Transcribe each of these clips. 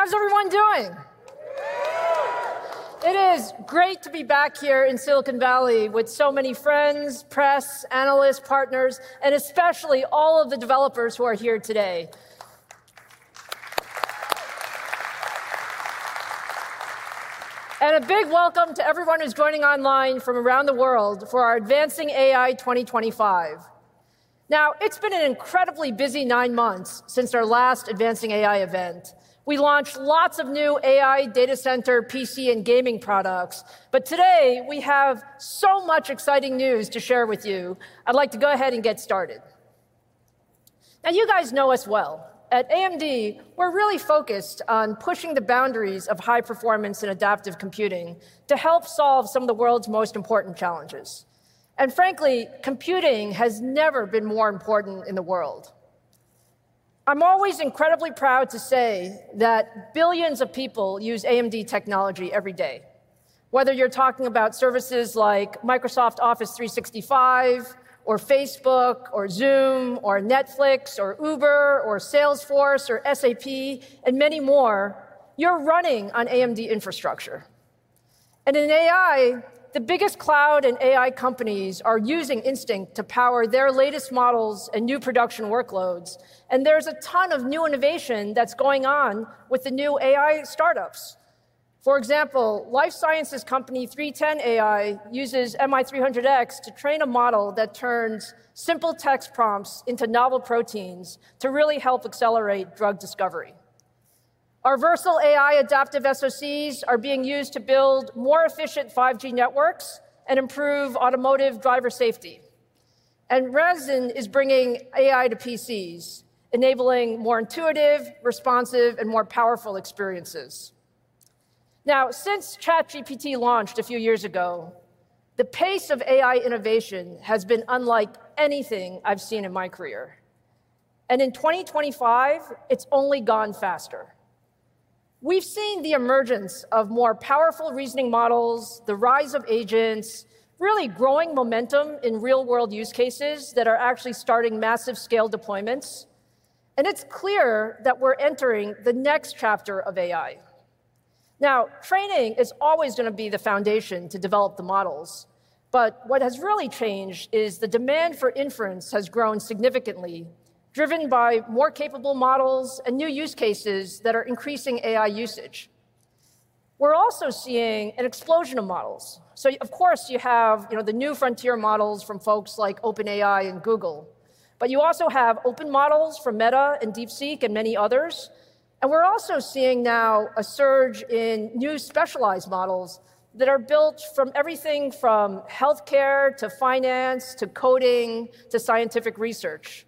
Morning! How's everyone doing? It is great to be back here in Silicon Valley with so many friends, press, analysts, partners, and especially all of the developers who are here today. A big welcome to everyone who's joining online from around the world for our Advancing AI 2025. It has been an incredibly busy nine months since our last Advancing AI event. We launched lots of new AI data center, PC, and gaming products, but today we have so much exciting news to share with you. I'd like to go ahead and get started. You guys know us well. At AMD, we're really focused on pushing the boundaries of high performance and adaptive computing to help solve some of the world's most important challenges. Frankly, computing has never been more important in the world. I'm always incredibly proud to say that billions of people use AMD technology every day. Whether you're talking about services like Microsoft Office 365, or Facebook, or Zoom, or Netflix, or Uber, or Salesforce, or SAP, and many more, you're running on AMD infrastructure. In AI, the biggest cloud and AI companies are using Instinct to power their latest models and new production workloads, and there's a ton of new innovation that's going on with the new AI startups. For example, life sciences company 310 AI uses MI300X to train a model that turns simple text prompts into novel proteins to really help accelerate drug discovery. Our Versal AI adaptive SoCs are being used to build more efficient 5G networks and improve automotive driver safety. Ryzen is bringing AI to PCs, enabling more intuitive, responsive, and more powerful experiences. Now, since ChatGPT launched a few years ago, the pace of AI innovation has been unlike anything I've seen in my career. In 2025, it's only gone faster. We've seen the emergence of more powerful reasoning models, the rise of agents, really growing momentum in real-world use cases that are actually starting massive scale deployments. It's clear that we're entering the next chapter of AI. Now, training is always going to be the foundation to develop the models, but what has really changed is the demand for inference has grown significantly, driven by more capable models and new use cases that are increasing AI usage. We're also seeing an explosion of models. Of course, you have the new frontier models from folks like OpenAI and Google, but you also have open models from Meta and DeepSeek and many others. We're also seeing now a surge in new specialized models that are built from everything from healthcare to finance, to coding, to scientific research.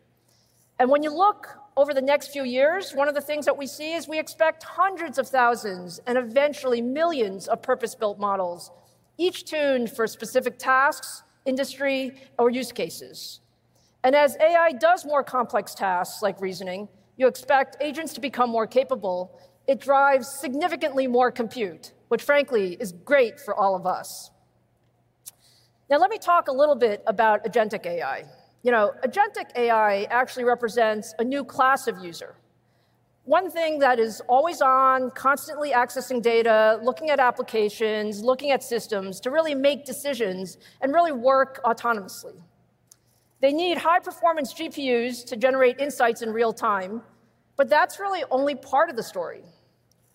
When you look over the next few years, one of the things that we see is we expect hundreds of thousands and eventually millions of purpose-built models, each tuned for specific tasks, industry, or use cases. As AI does more complex tasks like reasoning, you expect agents to become more capable. It drives significantly more compute, which frankly is great for all of us. Now, let me talk a little bit about agentic AI. You know, agentic AI actually represents a new class of user. One thing that is always on, constantly accessing data, looking at applications, looking at systems to really make decisions and really work autonomously. They need high-performance GPUs to generate insights in real time, but that's really only part of the story.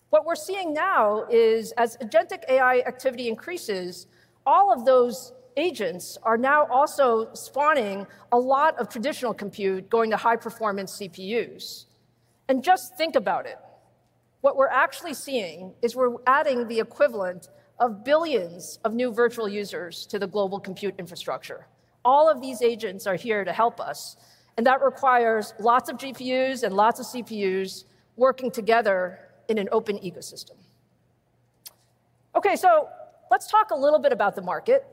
What we're seeing now is, as agentic AI activity increases, all of those agents are now also spawning a lot of traditional compute going to high-performance CPUs. And just think about it. What we're actually seeing is we're adding the equivalent of billions of new virtual users to the global compute infrastructure. All of these agents are here to help us, and that requires lots of GPUs and lots of CPUs working together in an open ecosystem. Okay, so let's talk a little bit about the market.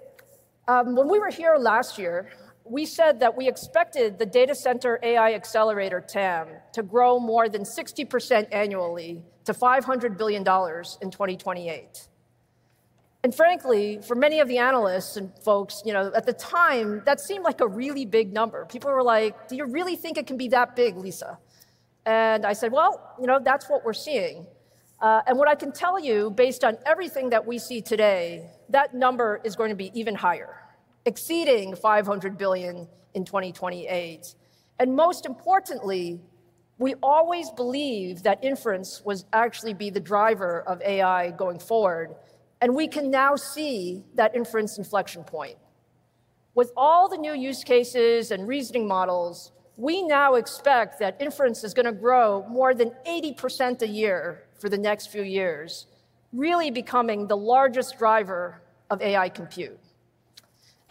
When we were here last year, we said that we expected the data center AI accelerator TAM, to grow more than 60% annually to $500 billion in 2028. And frankly, for many of the analysts and folks, you know, at the time, that seemed like a really big number. People were like, "Do you really think it can be that big, Lisa?" I said, "You know, that's what we're seeing." What I can tell you, based on everything that we see today, that number is going to be even higher, exceeding $500 billion in 2028. Most importantly, we always believed that inference was actually the driver of AI going forward, and we can now see that inference inflection point. With all the new use cases and reasoning models, we now expect that inference is going to grow more than 80% a year for the next few years, really becoming the largest driver of AI compute.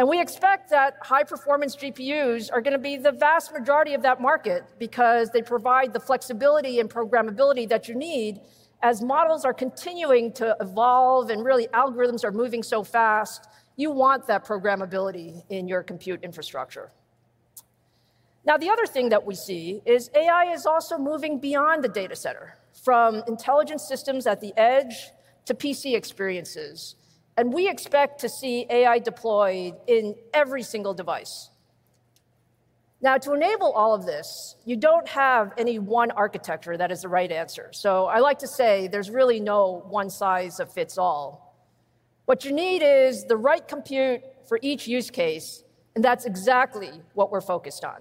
We expect that high-performance GPUs are going to be the vast majority of that market because they provide the flexibility and programmability that you need as models are continuing to evolve and really algorithms are moving so fast. You want that programmability in your compute infrastructure. Now, the other thing that we see is AI is also moving beyond the data center, from intelligence systems at the edge to PC experiences. We expect to see AI deployed in every single device. Now, to enable all of this, you do not have any one architecture that is the right answer. I like to say there is really no one size that fits all. What you need is the right compute for each use case, and that is exactly what we are focused on.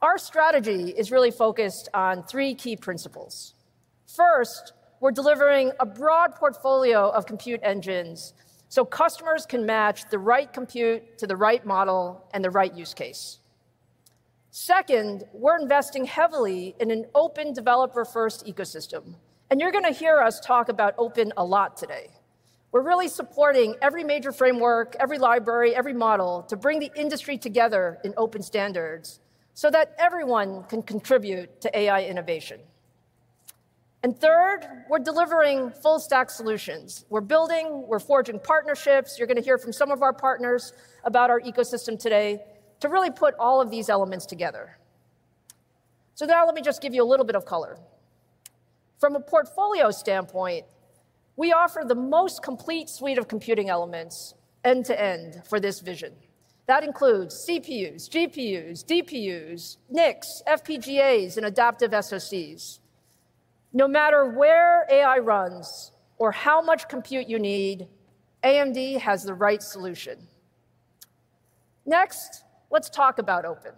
Our strategy is really focused on three key principles. First, we are delivering a broad portfolio of compute engines so customers can match the right compute to the right model and the right use case. Second, we are investing heavily in an open developer-first ecosystem. You are going to hear us talk about open a lot today. We're really supporting every major framework, every library, every model to bring the industry together in open standards so that everyone can contribute to AI innovation. Third, we're delivering full-stack solutions. We're building, we're forging partnerships. You're going to hear from some of our partners about our ecosystem today to really put all of these elements together. Now let me just give you a little bit of color. From a portfolio standpoint, we offer the most complete suite of computing elements end-to-end for this vision. That includes CPUs, GPUs, DPUs, NICs, FPGAs, and adaptive SoCs. No matter where AI runs or how much compute you need, AMD has the right solution. Next, let's talk about open.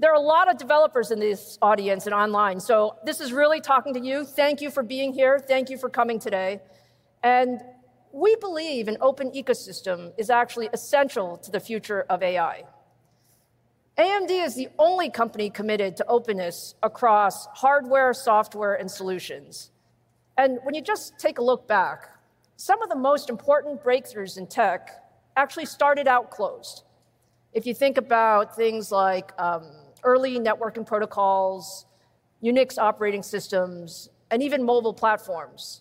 There are a lot of developers in this audience and online, so this is really talking to you. Thank you for being here. Thank you for coming today. We believe an open ecosystem is actually essential to the future of AI. AMD is the only company committed to openness across hardware, software, and solutions. When you just take a look back, some of the most important breakthroughs in tech actually started out closed. If you think about things like early networking protocols, Unix operating systems, and even mobile platforms.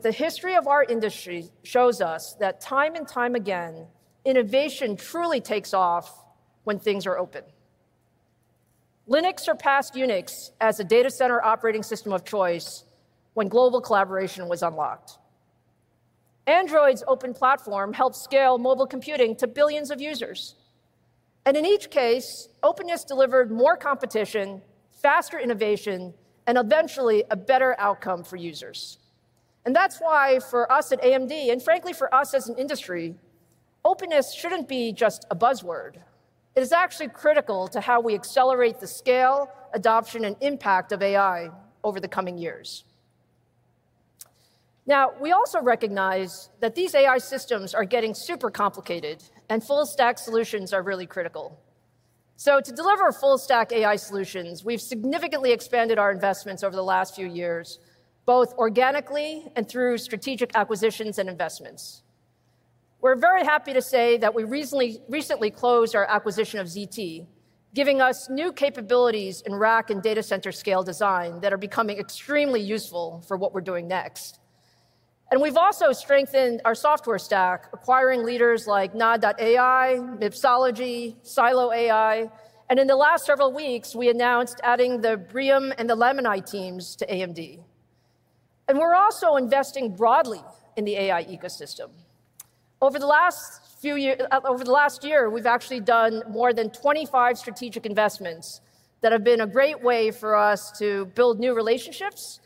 The history of our industry shows us that time and time again, innovation truly takes off when things are open. Linux surpassed Unix as a data center operating system of choice when global collaboration was unlocked. Android's open platform helped scale mobile computing to billions of users. In each case, openness delivered more competition, faster innovation, and eventually a better outcome for users. That is why for us at AMD, and frankly for us as an industry, openness should not be just a buzzword. It is actually critical to how we accelerate the scale, adoption, and impact of AI over the coming years. Now, we also recognize that these AI systems are getting super complicated, and full-stack solutions are really critical. To deliver full-stack AI solutions, we've significantly expanded our investments over the last few years, both organically and through strategic acquisitions and investments. We're very happy to say that we recently closed our acquisition of ZT, giving us new capabilities in rack and data center scale design that are becoming extremely useful for what we're doing next. We've also strengthened our software stack, acquiring leaders like Nod.ai, Mipsology, and Silo AI. In the last several weeks, we announced adding the Brium and the Lamini teams to AMD. We're also investing broadly in the AI ecosystem. Over the last few years, over the last year, we've actually done more than 25 strategic investments that have been a great way for us to build new relationships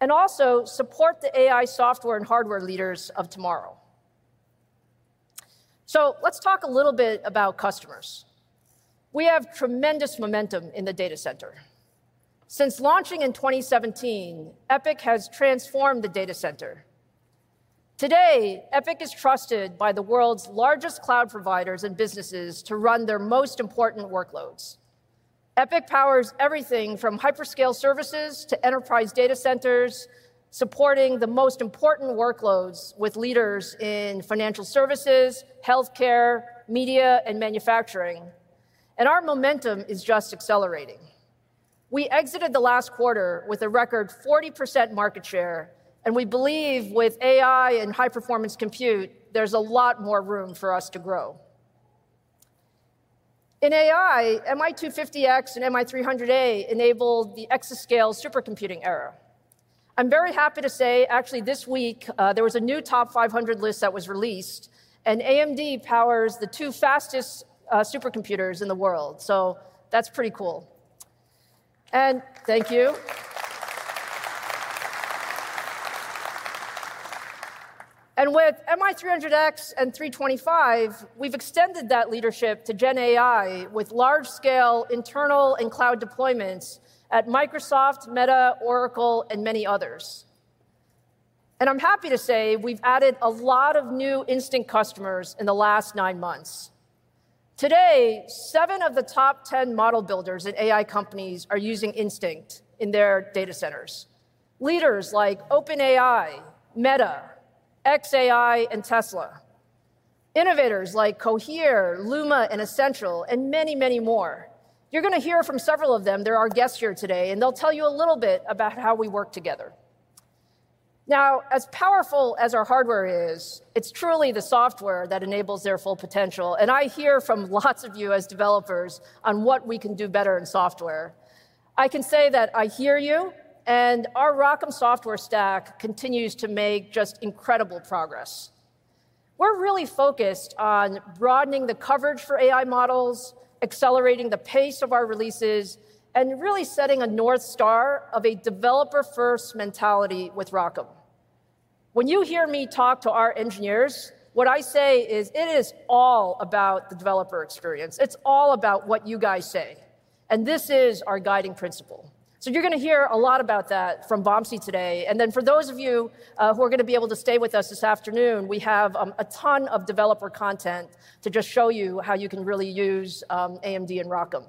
and also support the AI software and hardware leaders of tomorrow. Let's talk a little bit about customers. We have tremendous momentum in the data center. Since launching in 2017, EPYC has transformed the data center. Today, EPYC is trusted by the world's largest cloud providers and businesses to run their most important workloads. EPYC powers everything from hyperscale services to enterprise data centers, supporting the most important workloads with leaders in financial services, healthcare, media, and manufacturing. Our momentum is just accelerating. We exited the last quarter with a record 40% market share, and we believe with AI and high-performance compute, there's a lot more room for us to grow. In AI, MI250X and MI300A enabled the exascale supercomputing era. I'm very happy to say, actually, this week, there was a new top 500 list that was released, and AMD powers the two fastest supercomputers in the world. That is pretty cool. Thank you. With MI300X and 325, we've extended that leadership to GenAI with large-scale internal and cloud deployments at Microsoft, Meta, Oracle, and many others. I'm happy to say we've added a lot of new Instinct customers in the last nine months. Today, seven of the top 10 model builders in AI companies are using Instinct in their data centers. Leaders like OpenAI, Meta, xAI, and Tesla. Innovators like Cohere, Luma, and Essential, and many, many more. You're going to hear from several of them. They're our guests here today, and they'll tell you a little bit about how we work together. Now, as powerful as our hardware is, it's truly the software that enables their full potential. I hear from lots of you as developers on what we can do better in software. I can say that I hear you, and our ROCm software stack continues to make just incredible progress. We're really focused on broadening the coverage for AI models, accelerating the pace of our releases, and really setting a North Star of a developer-first mentality with ROCm. When you hear me talk to our engineers, what I say is it is all about the developer experience. It's all about what you guys say. This is our guiding principle. You're going to hear a lot about that from Vamsi today. For those of you who are going to be able to stay with us this afternoon, we have a ton of developer content to just show you how you can really use AMD and ROCm.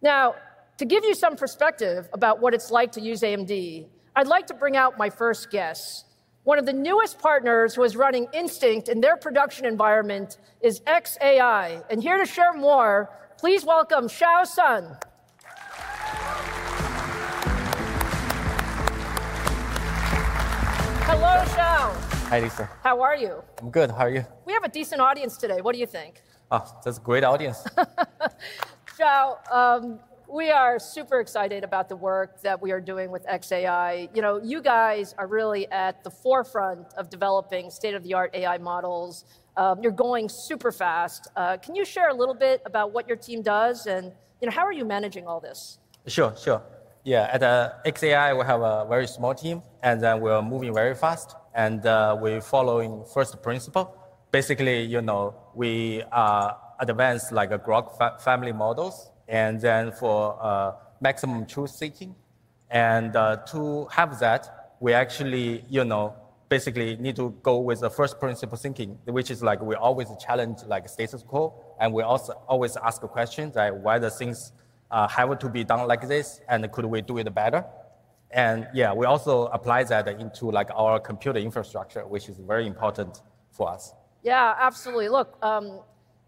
Now, to give you some perspective about what it's like to use AMD, I'd like to bring out my first guest. One of the newest partners who is running Instinct in their production environment is xAI. Here to share more, please welcome Xiao Sun. Hello, Xiao. Hi, Lisa. How are you? I'm good. How are you? We have a decent audience today. What do you think? Oh, that's a great audience. Xiao, we are super excited about the work that we are doing with xAI. You know, you guys are really at the forefront of developing state-of-the-art AI models. You're going super fast. Can you share a little bit about what your team does and how are you managing all this? Sure, sure. Yeah, at xAI, we have a very small team, and then we're moving very fast. And we're following first principle. Basically, you know, we advance like a Grok family models and then for maximum truth seeking. And to have that, we actually, you know, basically need to go with the first principle thinking, which is like we always challenge like status quo. And we also always ask questions like why do things have to be done like this and could we do it better? Yeah, we also apply that into like our computer infrastructure, which is very important for us. Yeah, absolutely. Look,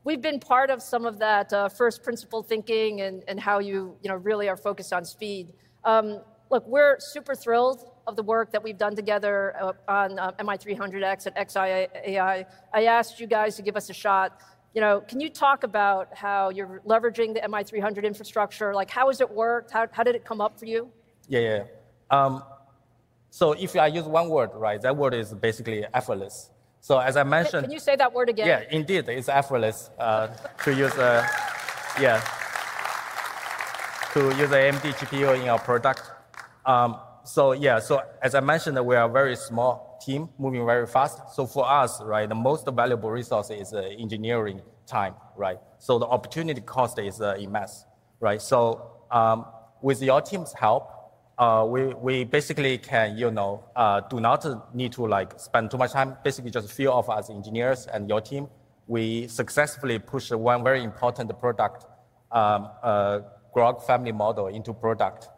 we've been part of some of that first principle thinking and how you really are focused on speed. Look, we're super thrilled of the work that we've done together on MI300X and xAI. I asked you guys to give us a shot. You know, can you talk about how you're leveraging the MI300 infrastructure? Like how has it worked? How did it come up for you? Yeah, yeah. If I use one word, right, that word is basically effortless. As I mentioned... Can you say that word again? Yeah, indeed, it's effortless to use, yeah, to use an AMD GPU in our product. As I mentioned, we are a very small team moving very fast. For us, right, the most valuable resource is engineering time, right? The opportunity cost is immense, right? With your team's help, we basically can, you know, do not need to like spend too much time. Basically, just a few of us engineers and your team, we successfully pushed one very important product, Grok family model, into product.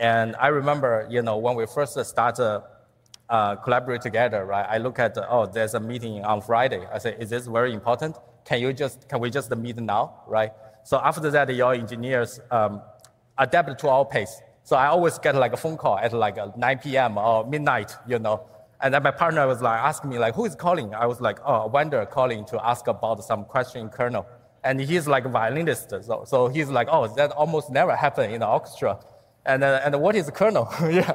I remember, you know, when we first started collaborating together, right, I look at, oh, there's a meeting on Friday. I say, is this very important? Can you just, can we just meet now, right? After that, your engineers adapted to our pace. I always get like a phone call at like 9:00 P.M. or midnight, you know? My partner was like asking me like, who is calling? I was like, oh, vendor calling to ask about some question in kernel. He's like a violinist. He's like, oh, that almost never happened in the orchestra. What is a kernel? Yeah.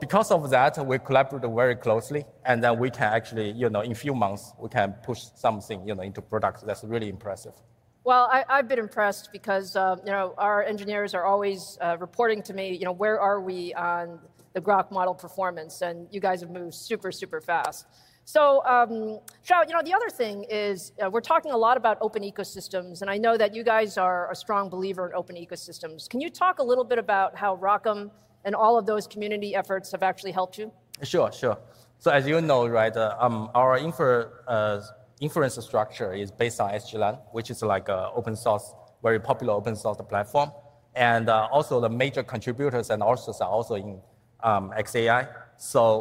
Because of that, we collaborate very closely. Then we can actually, you know, in a few months, we can push something, you know, into product. That is really impressive. I have been impressed because, you know, our engineers are always reporting to me, you know, where are we on the Grok model performance? You guys have moved super, super fast. Xiao, you know, the other thing is we are talking a lot about open ecosystems. I know that you guys are a strong believer in open ecosystems. Can you talk a little bit about how ROCm and all of those community efforts have actually helped you? Sure, sure. As you know, right, our inference structure is based on SGLang, which is like an open source, very popular open-source platform. Also, the major contributors are also in xAI.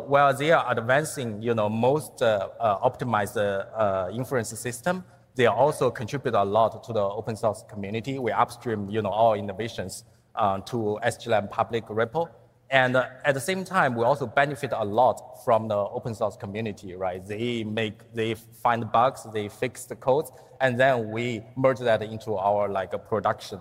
While they are advancing, you know, most optimized inference system, they also contribute a lot to the open-source community. We upstream, you know, all innovations to SGLang public repo. At the same time, we also benefit a lot from the open-source community, right? They make, they find bugs, they fix the code, and then we merge that into our like production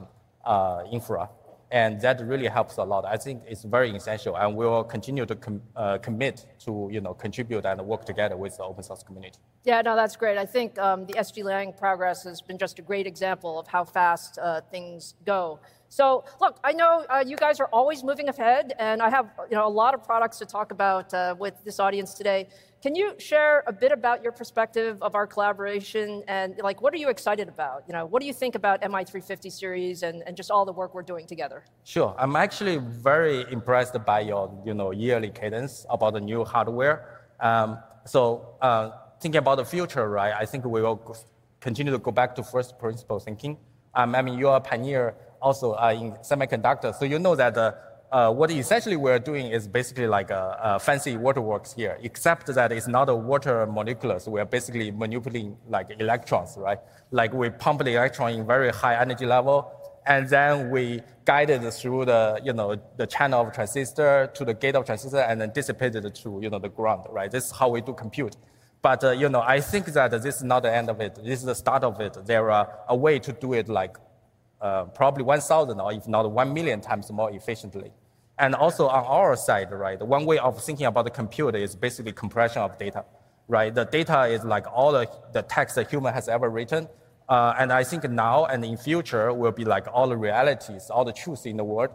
infra. That really helps a lot. I think it's very essential. We will continue to commit to, you know, contribute and work together with the open-source community. Yeah, no, that's great. I think the SGLang progress has been just a great example of how fast things go. Look, I know you guys are always moving ahead, and I have, you know, a lot of products to talk about with this audience today. Can you share a bit about your perspective of our collaboration? And like, what are you excited about? You know, what do you think about MI350 series and just all the work we're doing together? Sure. I'm actually very impressed by your, you know, yearly cadence about the new hardware. So thinking about the future, right, I think we will continue to go back to first principle thinking. I mean, you are a pioneer also in semiconductors. So you know that what essentially we're doing is basically like a fancy waterworks here, except that it's not a water molecule. So we are basically manipulating like electrons, right? Like we pump the electron in very high energy level, and then we guide it through the, you know, the channel of transistor to the gate of transistor and then dissipate it to, you know, the ground, right? This is how we do compute. But, you know, I think that this is not the end of it. This is the start of it. There are a way to do it like probably 1,000 or if not 1 million times more efficiently. Also on our side, right, one way of thinking about the computer is basically compression of data, right? The data is like all the text that human has ever written. I think now and in future will be like all the realities, all the truth in the world.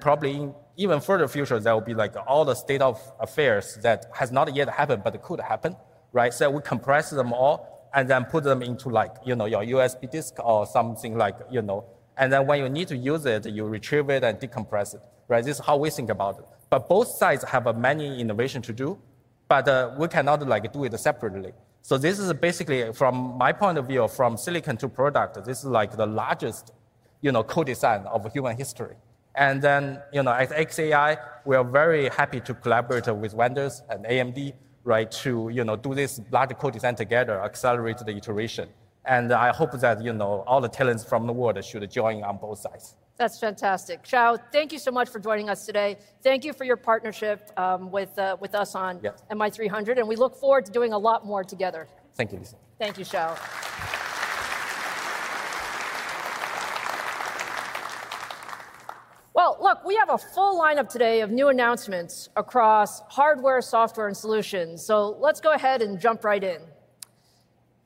Probably in even further future, there will be like all the state of affairs that has not yet happened but could happen, right? We compress them all and then put them into like, you know, your USB disk or something like, you know. When you need to use it, you retrieve it and decompress it, right? This is how we think about it. Both sides have many innovations to do, but we cannot do it separately. This is basically from my point of view, from silicon to product, this is like the largest, you know, co-design of human history. You know, at xAI, we are very happy to collaborate with vendors and AMD, right, to, you know, do this large co-design together, accelerate the iteration. I hope that, you know, all the talents from the world should join on both sides. That's fantastic. Xiao, thank you so much for joining us today. Thank you for your partnership with us on MI300. We look forward to doing a lot more together. Thank you, Lisa. Thank you, Xiao. Look, we have a full lineup today of new announcements across hardware, software, and solutions. Let's go ahead and jump right in.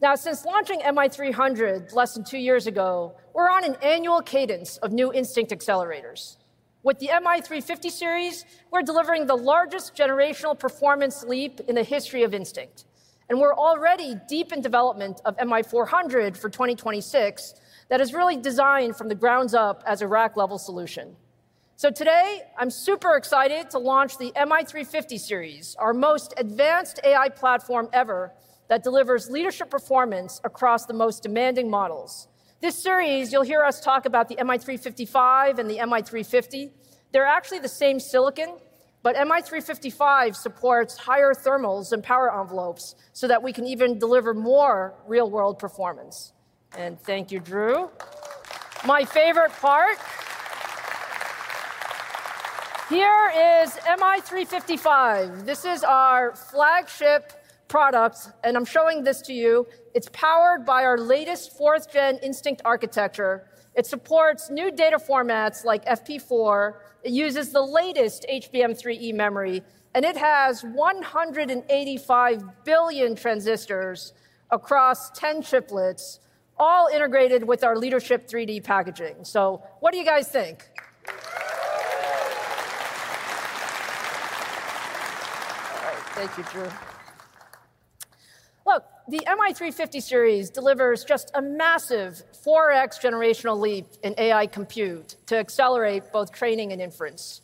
Now, since launching MI300 less than two years ago, we're on an annual cadence of new Instinct accelerators. With the MI350 series, we're delivering the largest generational performance leap in the history of Instinct. We're already deep in development of MI400 for 2026 that is really designed from the ground up as a rack-level solution. Today, I'm super excited to launch the MI350 series, our most advanced AI platform ever that delivers leadership performance across the most demanding models. This series, you'll hear us talk about the MI355 and the MI350. They're actually the same silicon, but MI355 supports higher thermals and power envelopes so that we can even deliver more real-world performance. Thank you, Drew. My favorite part. Here is MI355. This is our flagship product. I'm showing this to you. It's powered by our latest fourth-gen Instinct architecture. It supports new data formats like FP4. It uses the latest HBM3E memory. It has 185 billion transistors across 10 chiplets, all integrated with our leadership 3D packaging. What do you guys think? All right, thank you, Drew. The MI350 series delivers just a massive 4X generational leap in AI compute to accelerate both training and inference.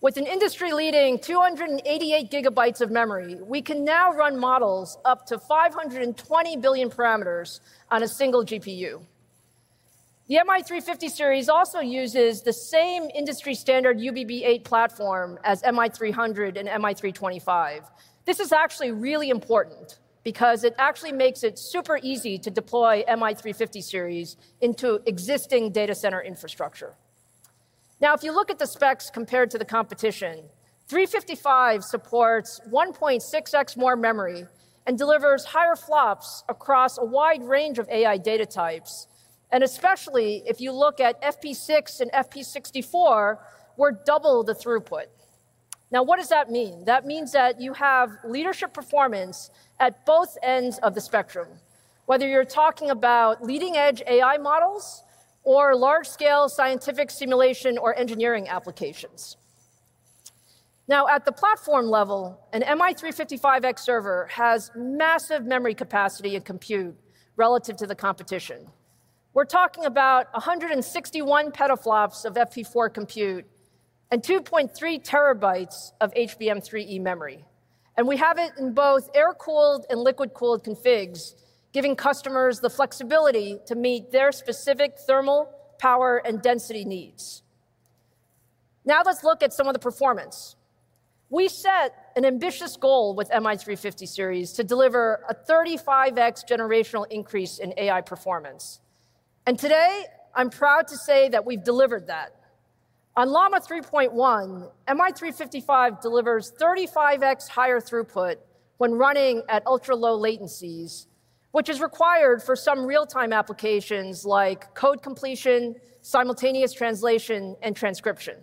With an industry-leading 288 GB of memory, we can now run models up to 520 billion parameters on a single GPU. The MI350 series also uses the same industry-standard UBB8 platform as MI300 and MI325. This is actually really important because it actually makes it super easy to deploy MI350 series into existing data center infrastructure. Now, if you look at the specs compared to the competition, MI355 supports 1.6x more memory and delivers higher flops across a wide range of AI data types. Especially if you look at FP4 and FP64, we're double the throughput. Now, what does that mean? That means that you have leadership performance at both ends of the spectrum, whether you're talking about leading-edge AI models or large-scale scientific simulation or engineering applications. At the platform level, an MI355 server has massive memory capacity and compute relative to the competition. We're talking about 161 petaflops of FP4 compute and 2.3 TB of HBM3E memory. We have it in both air-cooled and liquid-cooled configs, giving customers the flexibility to meet their specific thermal, power, and density needs. Now, let's look at some of the performance. We set an ambitious goal with MI350 series to deliver a 35x generational increase in AI performance. Today, I'm proud to say that we've delivered that. On Llama 3.1, MI355 delivers 35x higher throughput when running at ultra-low latencies, which is required for some real-time applications like code completion, simultaneous translation, and transcription.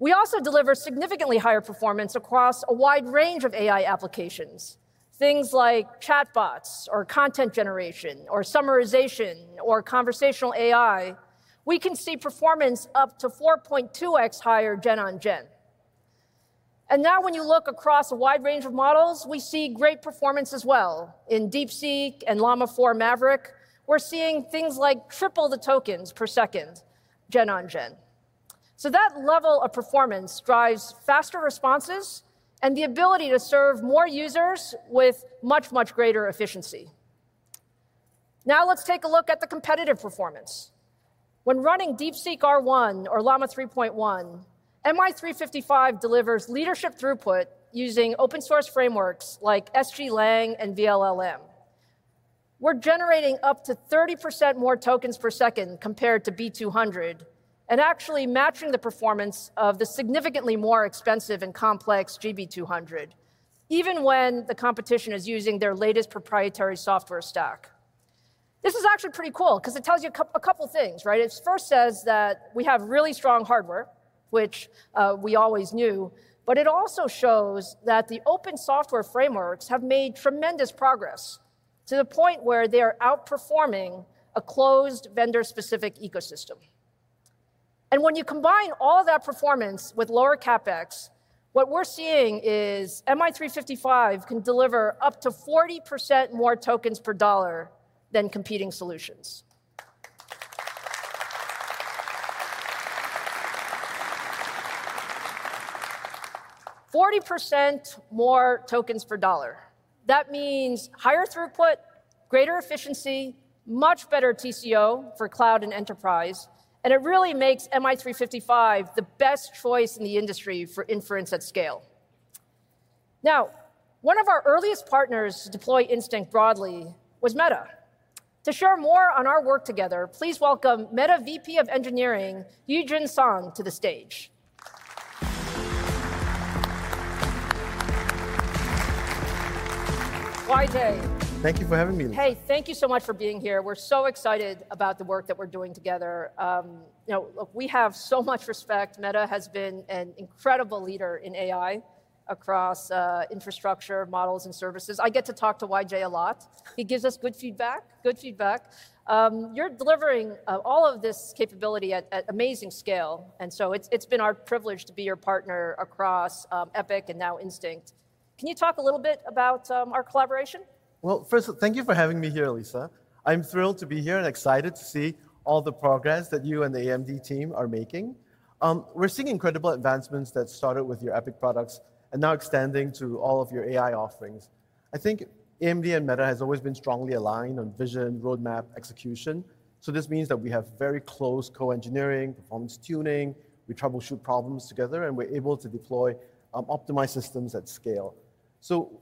We also deliver significantly higher performance across a wide range of AI applications, things like chatbots or content generation or summarization or conversational AI. We can see performance up to 4.2x higher gen on gen. Now, when you look across a wide range of models, we see great performance as well. In DeepSeek and Llama 4 Maverick, we're seeing things like triple the tokens per second gen on gen. That level of performance drives faster responses and the ability to serve more users with much, much greater efficiency. Now, let's take a look at the competitive performance. When running DeepSeek R1 or Llama 3.1, MI355 delivers leadership throughput using open-source frameworks like SGLang and VLLM. We're generating up to 30% more tokens per second compared to B200 and actually matching the performance of the significantly more expensive and complex GB200, even when the competition is using their latest proprietary software stack. This is actually pretty cool because it tells you a couple of things, right? It first says that we have really strong hardware, which we always knew, but it also shows that the open software frameworks have made tremendous progress to the point where they are outperforming a closed vendor-specific ecosystem. When you combine all of that performance with lower CapEx, what we're seeing is MI355 can deliver up to 40% more tokens per dollar than competing solutions. 40% more tokens per dollar. That means higher throughput, greater efficiency, much better TCO for cloud and enterprise. It really makes MI355 the best choice in the industry for inference at scale. Now, one of our earliest partners to deploy Instinct broadly was Meta. To share more on our work together, please welcome Meta VP of Engineering, Yee Jiun Song, to the stage. YJ. Thank you for having me. Hey, thank you so much for being here. We're so excited about the work that we're doing together. You know, look, we have so much respect. Meta has been an incredible leader in AI across infrastructure, models, and services. I get to talk to YJ a lot. He gives us good feedback, good feedback. You're delivering all of this capability at amazing scale. It has been our privilege to be your partner across EPYC and now Instinct. Can you talk a little bit about our collaboration? First, thank you for having me here, Lisa. I'm thrilled to be here and excited to see all the progress that you and the AMD team are making. We're seeing incredible advancements that started with your EPYC products and now extending to all of your AI offerings. I think AMD and Meta have always been strongly aligned on vision, roadmap, execution. This means that we have very close co-engineering, performance tuning. We troubleshoot problems together, and we're able to deploy optimized systems at scale.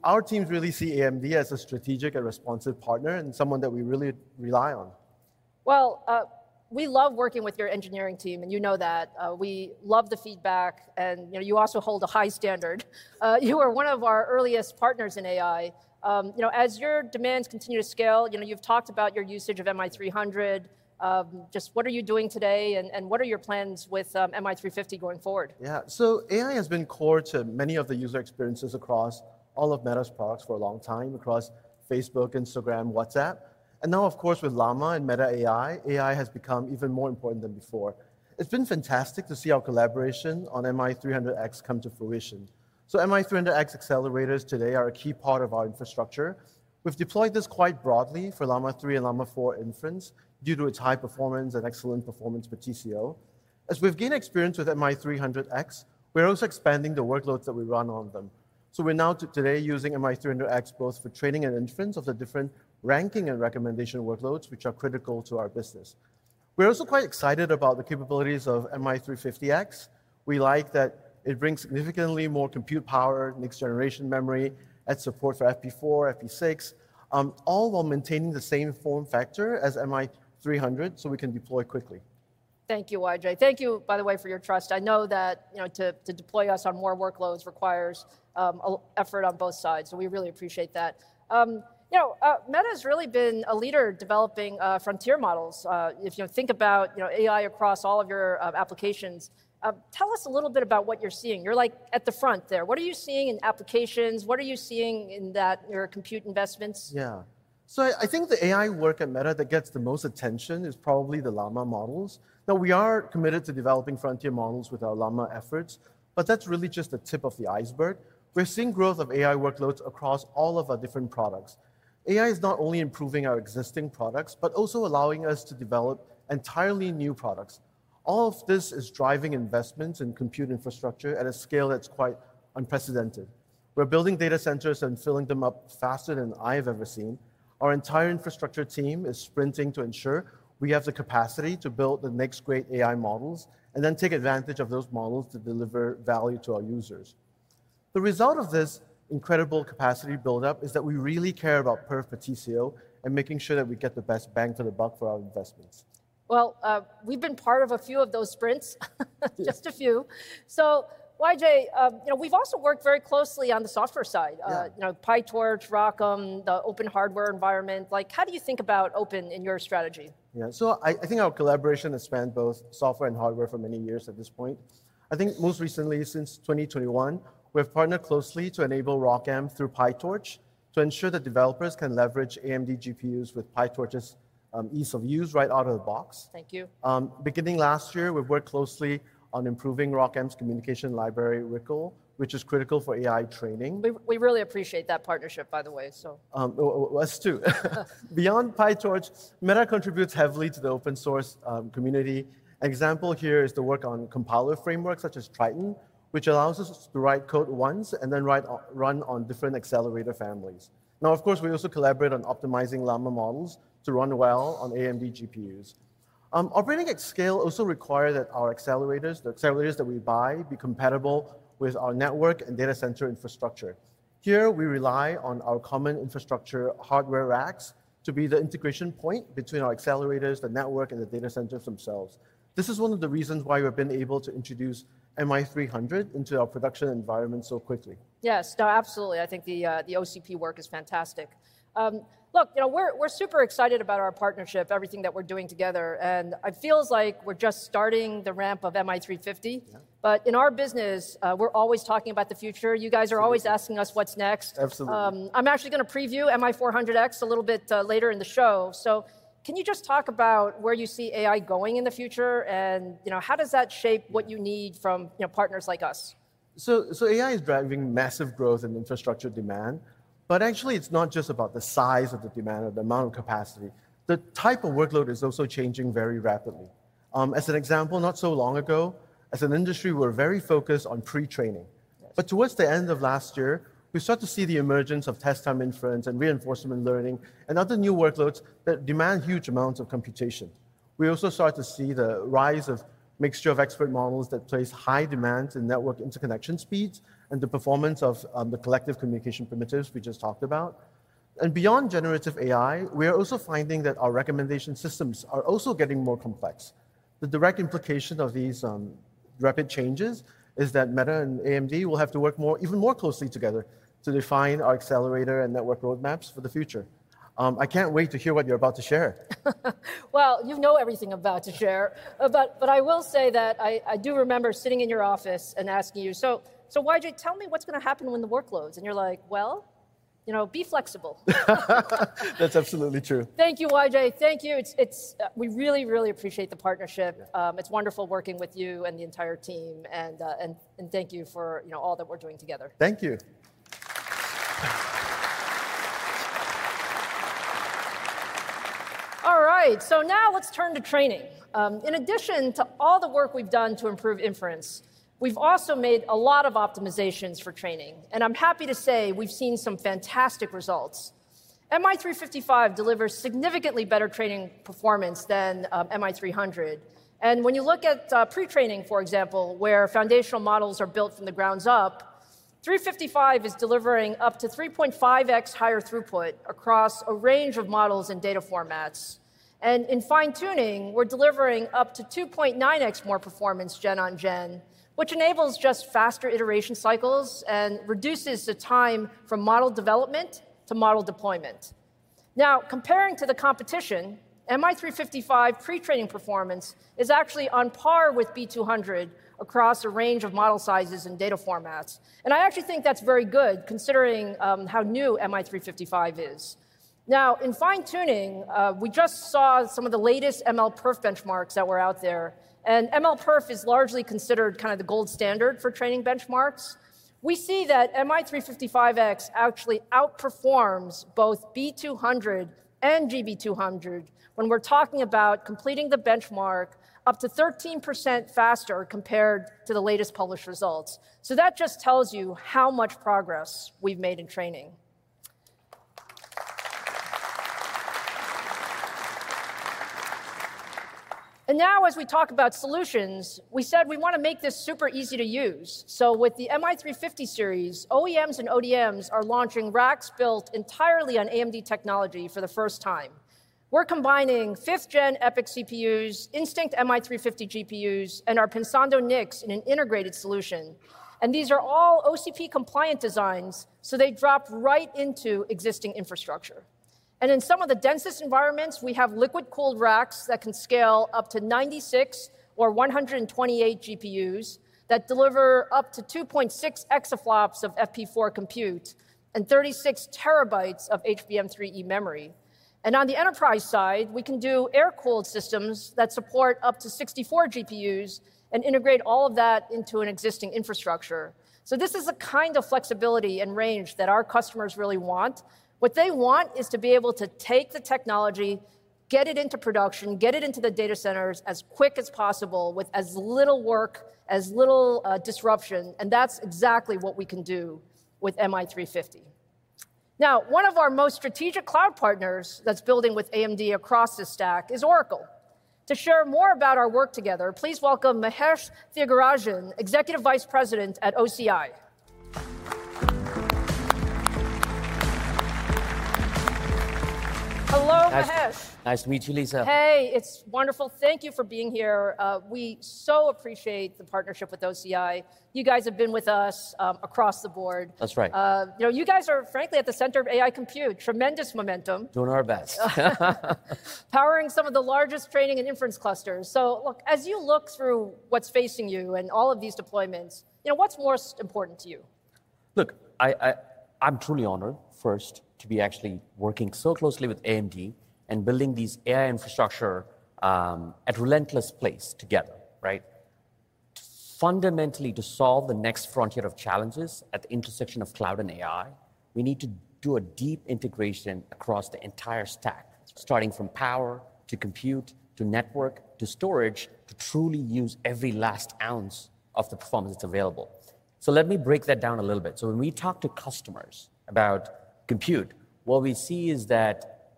Our teams really see AMD as a strategic and responsive partner and someone that we really rely on. We love working with your engineering team, and you know that. We love the feedback, and you also hold a high standard. You are one of our earliest partners in AI. You know, as your demands continue to scale, you've talked about your usage of MI300. Just what are you doing today, and what are your plans with MI350 going forward? Yeah, so AI has been core to many of the user experiences across all of Meta's products for a long time, across Facebook, Instagram, WhatsApp. And now, of course, with Llama and Meta AI, AI has become even more important than before. It's been fantastic to see our collaboration on MI300X come to fruition. MI300X accelerators today are a key part of our infrastructure. We've deployed this quite broadly for Llama 3 and Llama 4 inference due to its high performance and excellent performance for TCO. As we've gained experience with MI300X, we're also expanding the workloads that we run on them. We're now today using MI300X both for training and inference of the different ranking and recommendation workloads, which are critical to our business. We're also quite excited about the capabilities of MI350X. We like that it brings significantly more compute power, next-generation memory, and support for FP4, FP6, all while maintaining the same form factor as MI300 so we can deploy quickly. Thank you, YJ. Thank you, by the way, for your trust. I know that, you know, to deploy us on more workloads requires effort on both sides. We really appreciate that. You know, Meta has really been a leader developing frontier models. If you think about AI across all of your applications, tell us a little bit about what you're seeing. You're like at the front there. What are you seeing in applications? What are you seeing in your compute investments? Yeah. I think the AI work at Meta that gets the most attention is probably the Llama models. Now, we are committed to developing frontier models with our Llama efforts, but that's really just the tip of the iceberg. We're seeing growth of AI workloads across all of our different products. AI is not only improving our existing products, but also allowing us to develop entirely new products. All of this is driving investments in compute infrastructure at a scale that's quite unprecedented. We're building data centers and filling them up faster than I've ever seen. Our entire infrastructure team is sprinting to ensure we have the capacity to build the next great AI models and then take advantage of those models to deliver value to our users. The result of this incredible capacity buildup is that we really care about perf for TCO and making sure that we get the best bang for the buck for our investments. We've been part of a few of those sprints, just a few. YJ, you know, we've also worked very closely on the software side, you know, PyTorch, ROCm, the open hardware environment. How do you think about open in your strategy? Yeah, so I think our collaboration has spanned both software and hardware for many years at this point. I think most recently, since 2021, we've partnered closely to enable ROCm through PyTorch to ensure that developers can leverage AMD GPUs with PyTorch's ease of use right out of the box. Thank you. Beginning last year, we've worked closely on improving ROCm's communication library, Rickel, which is critical for AI training. We really appreciate that partnership, by the way, so. Us too. Beyond PyTorch, Meta contributes heavily to the open-source community. An example here is the work on compiler frameworks such as Triton, which allows us to write code once and then run on different accelerator families. Now, of course, we also collaborate on optimizing Llama models to run well on AMD GPUs. Operating at scale also requires that our accelerators, the accelerators that we buy, be compatible with our network and data center infrastructure. Here, we rely on our common infrastructure hardware racks to be the integration point between our accelerators, the network, and the data centers themselves. This is one of the reasons why we've been able to introduce MI300 into our production environment so quickly. Yes, no, absolutely. I think the OCP work is fantastic. Look, you know, we're super excited about our partnership, everything that we're doing together. It feels like we're just starting the ramp of MI350. In our business, we're always talking about the future. You guys are always asking us what's next. Absolutely. I'm actually going to preview MI400X a little bit later in the show. Can you just talk about where you see AI going in the future and how does that shape what you need from partners like us? AI is driving massive growth in infrastructure demand. Actually, it's not just about the size of the demand or the amount of capacity. The type of workload is also changing very rapidly. As an example, not so long ago, as an industry, we were very focused on pre-training. Towards the end of last year, we started to see the emergence of test-time inference and reinforcement learning and other new workloads that demand huge amounts of computation. We also started to see the rise of a mixture of expert models that place high demands in network interconnection speeds and the performance of the collective communication primitives we just talked about. Beyond generative AI, we are also finding that our recommendation systems are also getting more complex. The direct implication of these rapid changes is that Meta and AMD will have to work even more closely together to define our accelerator and network roadmaps for the future. I can't wait to hear what you're about to share. You know everything I'm about to share. I do remember sitting in your office and asking you, "So, YJ, tell me what's going to happen when the workloads?" And you're like, "Well, you know, be flexible." That's absolutely true. Thank you, YJ. Thank you. We really, really appreciate the partnership. It's wonderful working with you and the entire team. Thank you for all that we're doing together. Thank you. All right, now let's turn to training. In addition to all the work we've done to improve inference, we've also made a lot of optimizations for training. I'm happy to say we've seen some fantastic results. MI355 delivers significantly better training performance than MI300. When you look at pre-training, for example, where foundational models are built from the ground up, 355 is delivering up to 3.5x higher throughput across a range of models and data formats. In fine-tuning, we're delivering up to 2.9x more performance gen on gen, which enables just faster iteration cycles and reduces the time from model development to model deployment. Now, comparing to the competition, MI355 pre-training performance is actually on par with B200 across a range of model sizes and data formats. I actually think that's very good considering how new MI355 is. In fine-tuning, we just saw some of the latest MLPerf benchmarks that were out there. MLPerf is largely considered kind of the gold standard for training benchmarks. We see that MI355X actually outperforms both B200 and GB200 when we're talking about completing the benchmark up to 13% faster compared to the latest published results. That just tells you how much progress we've made in training. As we talk about solutions, we said we want to make this super easy to use. With the MI350 series, OEMs and ODMs are launching racks built entirely on AMD technology for the first time. We're combining fifth-gen EPYC CPUs, Instinct MI350 GPUs, and our Pensando NICs in an integrated solution. These are all OCP-compliant designs, so they drop right into existing infrastructure. In some of the densest environments, we have liquid-cooled racks that can scale up to 96 or 128 GPUs that deliver up to 2.6 exaflops of FP4 compute and 36 TB of HBM3E memory. On the enterprise side, we can do air-cooled systems that support up to 64 GPUs and integrate all of that into an existing infrastructure. This is the kind of flexibility and range that our customers really want. What they want is to be able to take the technology, get it into production, get it into the data centers as quick as possible with as little work, as little disruption. That is exactly what we can do with MI350. Now, one of our most strategic cloud partners that is building with AMD across the stack is Oracle. To share more about our work together, please welcome Mahesh Thiagarajan, Executive Vice President at OCI. Hello, Mahesh. Nice to meet you, Lisa. Hey, it is wonderful. Thank you for being here. We so appreciate the partnership with OCI. You guys have been with us across the board. That is right. You guys are, frankly, at the center of AI compute. Tremendous momentum. Doing our best. Powering some of the largest training and inference clusters. So, look, as you look through what's facing you and all of these deployments, you know, what's most important to you? Look, I'm truly honored, first, to be actually working so closely with AMD and building these AI infrastructures at a relentless pace together, right? Fundamentally, to solve the next frontier of challenges at the intersection of cloud and AI, we need to do a deep integration across the entire stack, starting from power to compute to network to storage to truly use every last ounce of the performance that's available. Let me break that down a little bit. When we talk to customers about compute, what we see is that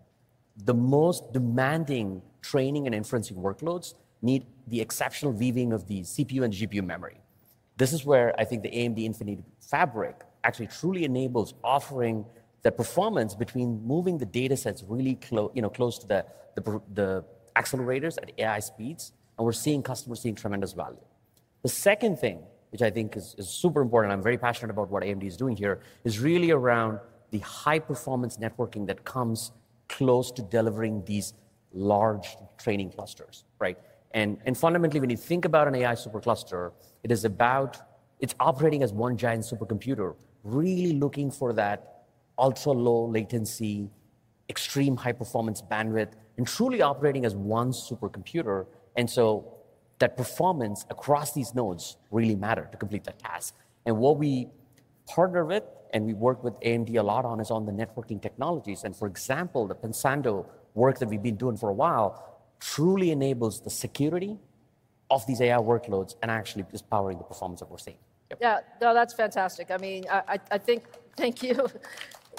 the most demanding training and inferencing workloads need the exceptional weaving of the CPU and GPU memory. This is where I think the AMD Infinity fabric actually truly enables offering the performance between moving the data sets really close to the accelerators at AI speeds. We're seeing customers seeing tremendous value. The second thing, which I think is super important, I'm very passionate about what AMD is doing here, is really around the high-performance networking that comes close to delivering these large training clusters, right? Fundamentally, when you think about an AI supercluster, it is about it's operating as one giant supercomputer, really looking for that ultra-low latency, extreme high-performance bandwidth, and truly operating as one supercomputer. That performance across these nodes really matters to complete that task. What we partner with and we work with AMD a lot on is on the networking technologies. For example, the Pensando work that we've been doing for a while truly enables the security of these AI workloads and actually is powering the performance that we're seeing. Yeah, no, that's fantastic. I mean, I think, thank you.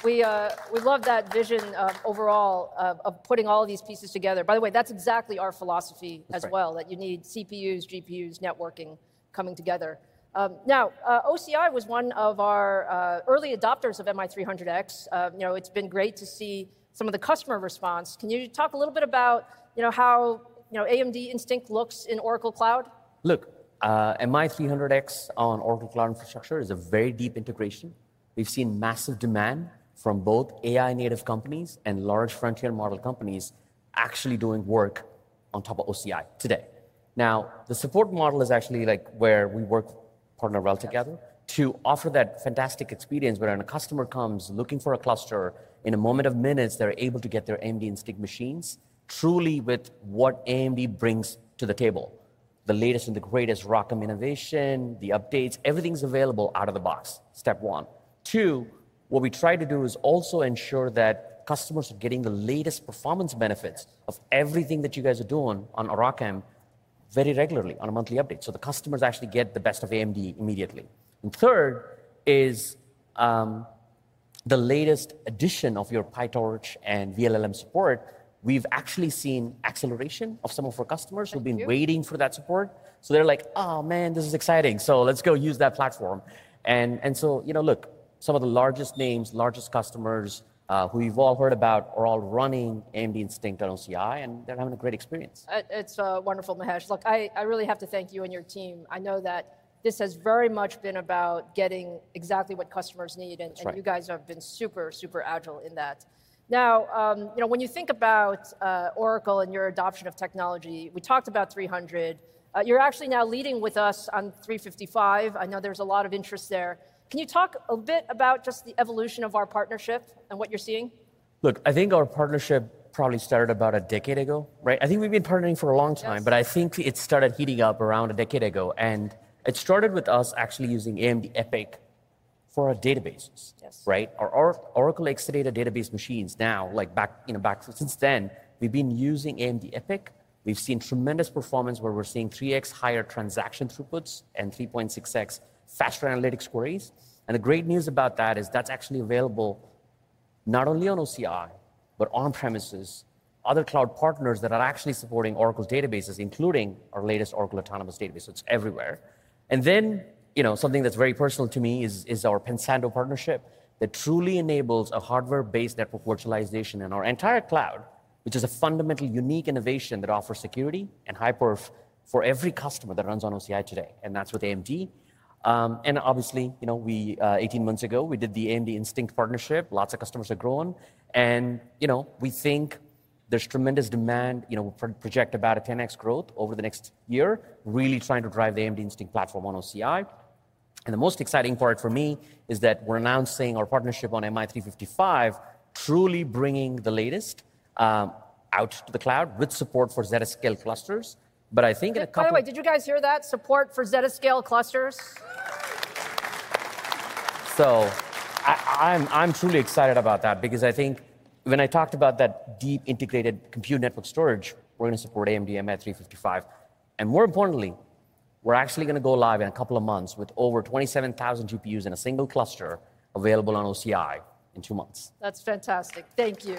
We love that vision overall of putting all these pieces together. By the way, that's exactly our philosophy as well, that you need CPUs, GPUs, networking coming together. Now, OCI was one of our early adopters of MI300X. You know, it's been great to see some of the customer response. Can you talk a little bit about how AMD Instinct looks in Oracle Cloud? Look, MI300X on Oracle Cloud Infrastructure is a very deep integration. We've seen massive demand from both AI-native companies and large frontier model companies actually doing work on top of OCI today. Now, the support model is actually like where we work partner well together to offer that fantastic experience where when a customer comes looking for a cluster, in a moment of minutes, they're able to get their AMD Instinct machines truly with what AMD brings to the table. The latest and the greatest ROCm innovation, the updates, everything's available out of the box, step one. Two, what we try to do is also ensure that customers are getting the latest performance benefits of everything that you guys are doing on ROCm very regularly on a monthly update. The customers actually get the best of AMD immediately. Third is the latest addition of your PyTorch and VLLM support. We've actually seen acceleration of some of our customers who've been waiting for that support. They're like, "Oh, man, this is exciting. Let's go use that platform. You know, look, some of the largest names, largest customers who we've all heard about are all running AMD Instinct on OCI, and they're having a great experience. It's wonderful, Mahesh. Look, I really have to thank you and your team. I know that this has very much been about getting exactly what customers need, and you guys have been super, super agile in that. Now, you know, when you think about Oracle and your adoption of technology, we talked about 300. You're actually now leading with us on 355. I know there's a lot of interest there. Can you talk a bit about just the evolution of our partnership and what you're seeing? Look, I think our partnership probably started about a decade ago, right? I think we've been partnering for a long time, but I think it started heating up around a decade ago. It started with us actually using AMD EPYC for our databases, right? Our Oracle Exadata database machines now, like back since then, we've been using AMD EPYC. We've seen tremendous performance where we're seeing 3x higher transaction throughputs and 3.6x faster analytics queries. The great news about that is that's actually available not only on OCI, but on-premises, other cloud partners that are actually supporting Oracle's databases, including our latest Oracle Autonomous Database. It's everywhere. You know, something that's very personal to me is our Pensando partnership that truly enables a hardware-based network virtualization in our entire cloud, which is a fundamental unique innovation that offers security and high perf for every customer that runs on OCI today. That's with AMD. Obviously, you know, 18 months ago, we did the AMD Instinct partnership. Lots of customers have grown. You know, we think there's tremendous demand, you know, project about a 10x growth over the next year, really trying to drive the AMD Instinct platform on OCI. The most exciting part for me is that we're announcing our partnership on MI355, truly bringing the latest out to the cloud with support for Zettascale clusters. I think in a couple of— By the way, did you guys hear that? Support for Zettascale clusters. I'm truly excited about that because I think when I talked about that deep integrated compute network storage, we're going to support AMD MI355. More importantly, we're actually going to go live in a couple of months with over 27,000 GPUs in a single cluster available on OCI in two months. That's fantastic. Thank you.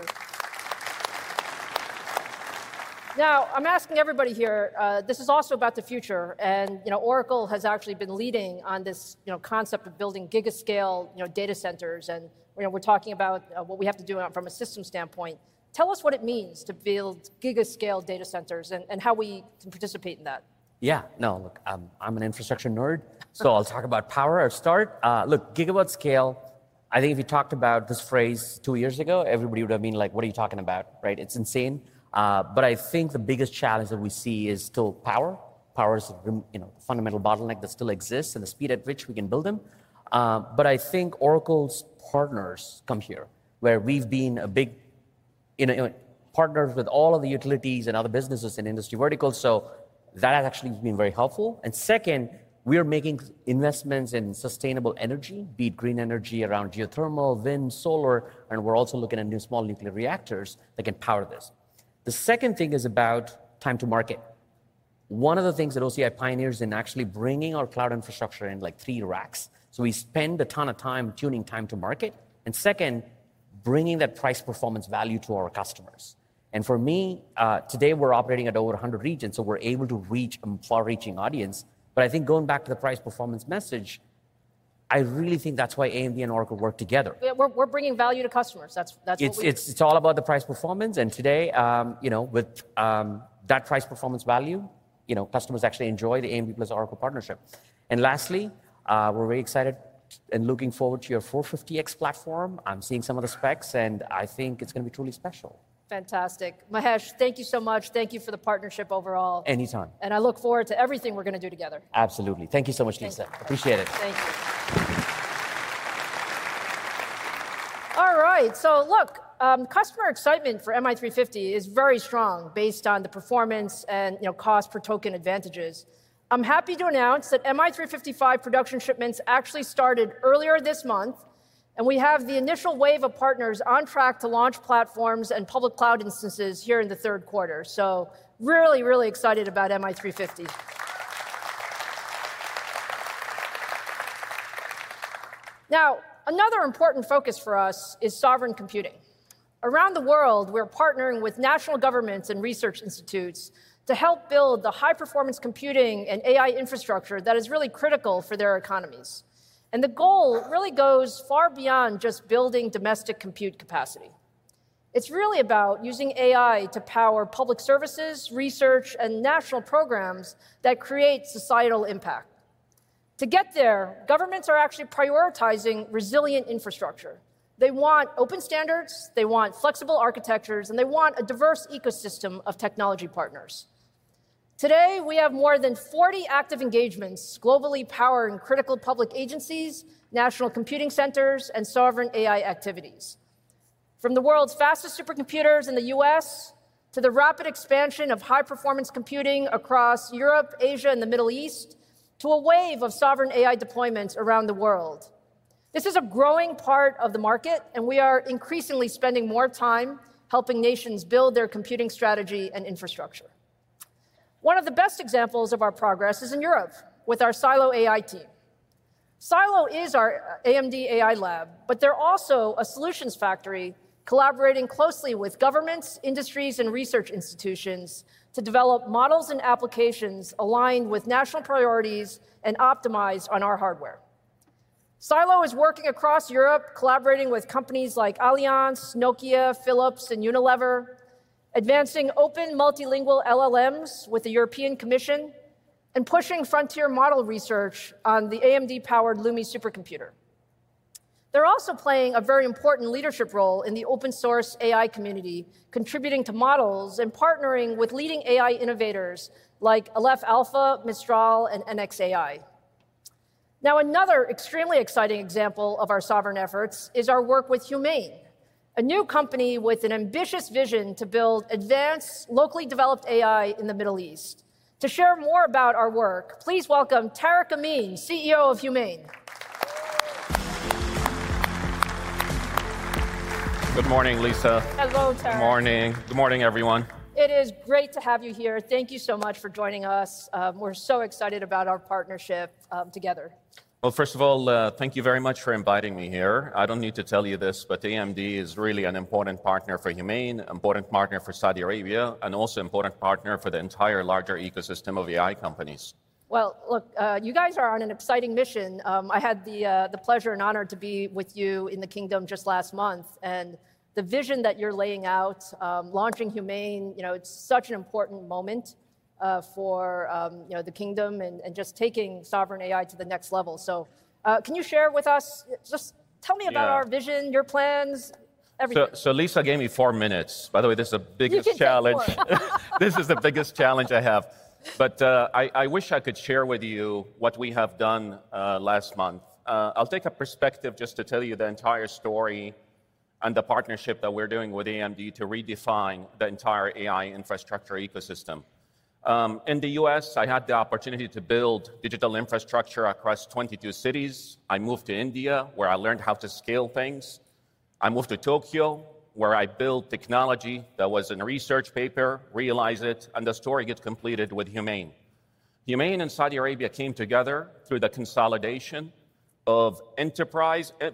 Now, I'm asking everybody here, this is also about the future. You know, Oracle has actually been leading on this, you know, concept of building gigascale data centers. You know, we're talking about what we have to do from a system standpoint. Tell us what it means to build gigascale data centers and how we can participate in that. Yeah, no, look, I'm an infrastructure nerd, so I'll talk about power at start. Look, gigabyte scale, I think if you talked about this phrase two years ago, everybody would have been like, "What are you talking about?" Right? It's insane. I think the biggest challenge that we see is still power. Power is a fundamental bottleneck that still exists and the speed at which we can build them. I think Oracle's partners come here, where we've been a big partner with all of the utilities and other businesses in industry verticals. That has actually been very helpful. Second, we're making investments in sustainable energy, be it green energy around geothermal, wind, solar, and we're also looking at new small nuclear reactors that can power this. The second thing is about time to market. One of the things that OCI pioneers in is actually bringing our cloud infrastructure in, like three racks. We spend a ton of time tuning time to market. Second, bringing that price performance value to our customers. For me, today we're operating at over 100 regions, so we're able to reach a far-reaching audience. I think going back to the price performance message, I really think that's why AMD and Oracle work together. We're bringing value to customers. That's what we're doing. It's all about the price performance. Today, you know, with that price performance value, you know, customers actually enjoy the AMD plus Oracle partnership. Lastly, we're very excited and looking forward to your 450x platform. I'm seeing some of the specs, and I think it's going to be truly special. Fantastic. Mahesh, thank you so much. Thank you for the partnership overall. Anytime. I look forward to everything we're going to do together. Absolutely. Thank you so much, Lisa. Appreciate it. Thank you. All right. Look, customer excitement for MI350 is very strong based on the performance and, you know, cost per token advantages. I'm happy to announce that MI355 production shipments actually started earlier this month, and we have the initial wave of partners on track to launch platforms and public cloud instances here in the third quarter. Really, really excited about MI350. Now, another important focus for us is sovereign computing. Around the world, we're partnering with national governments and research institutes to help build the high-performance computing and AI infrastructure that is really critical for their economies. The goal really goes far beyond just building domestic compute capacity. It's really about using AI to power public services, research, and national programs that create societal impact. To get there, governments are actually prioritizing resilient infrastructure. They want open standards, they want flexible architectures, and they want a diverse ecosystem of technology partners. Today, we have more than 40 active engagements globally powering critical public agencies, national computing centers, and sovereign AI activities. From the world's fastest supercomputers in the U.S. to the rapid expansion of high-performance computing across Europe, Asia, and the Middle East, to a wave of sovereign AI deployments around the world. This is a growing part of the market, and we are increasingly spending more time helping nations build their computing strategy and infrastructure. One of the best examples of our progress is in Europe with our Silo AI team. Silo is our AMD AI lab, but they're also a solutions factory collaborating closely with governments, industries, and research institutions to develop models and applications aligned with national priorities and optimized on our hardware. Silo is working across Europe, collaborating with companies like Allianz, Nokia, Philips, and Unilever, advancing open multilingual LLMs with the European Commission, and pushing frontier model research on the AMD-powered LUMI supercomputer. They're also playing a very important leadership role in the open-source AI community, contributing to models and partnering with leading AI innovators like Aleph Alpha, Mistral, and NXAI. Now, another extremely exciting example of our sovereign efforts is our work with HUMAIN, a new company with an ambitious vision to build advanced, locally developed AI in the Middle East. To share more about our work, please welcome Tareq Amin, CEO of HUMAIN. Good morning, Lisa. Hello, Tareq. Good morning. Good morning, everyone. It is great to have you here. Thank you so much for joining us. We're so excited about our partnership together. First of all, thank you very much for inviting me here. I don't need to tell you this, but AMD is really an important partner for HUMAIN, an important partner for Saudi Arabia, and also an important partner for the entire larger ecosystem of AI companies. Look, you guys are on an exciting mission. I had the pleasure and honor to be with you in the Kingdom just last month, and the vision that you're laying out, launching HUMAIN, you know, it's such an important moment for the Kingdom and just taking sovereign AI to the next level. Can you share with us? Just tell me about our vision, your plans, everything. Lisa gave me four minutes. By the way, this is the biggest challenge. This is the biggest challenge I have. I wish I could share with you what we have done last month. I'll take a perspective just to tell you the entire story and the partnership that we're doing with AMD to redefine the entire AI infrastructure ecosystem. In the U.S., I had the opportunity to build digital infrastructure across 22 cities. I moved to India, where I learned how to scale things. I moved to Tokyo, where I built technology that was in a research paper, realized it, and the story gets completed with HUMAIN. HUMAIN and Saudi Arabia came together through the consolidation of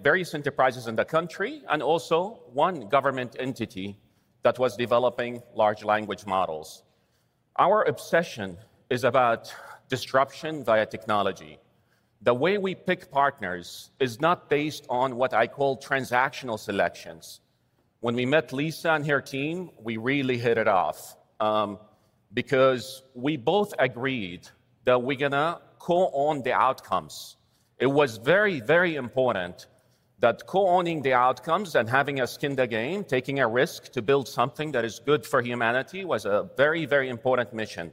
various enterprises in the country and also one government entity that was developing large language models. Our obsession is about disruption via technology. The way we pick partners is not based on what I call transactional selections. When we met Lisa and her team, we really hit it off because we both agreed that we're going to co-own the outcomes. It was very, very important that co-owning the outcomes and having a skin in the game, taking a risk to build something that is good for humanity was a very, very important mission.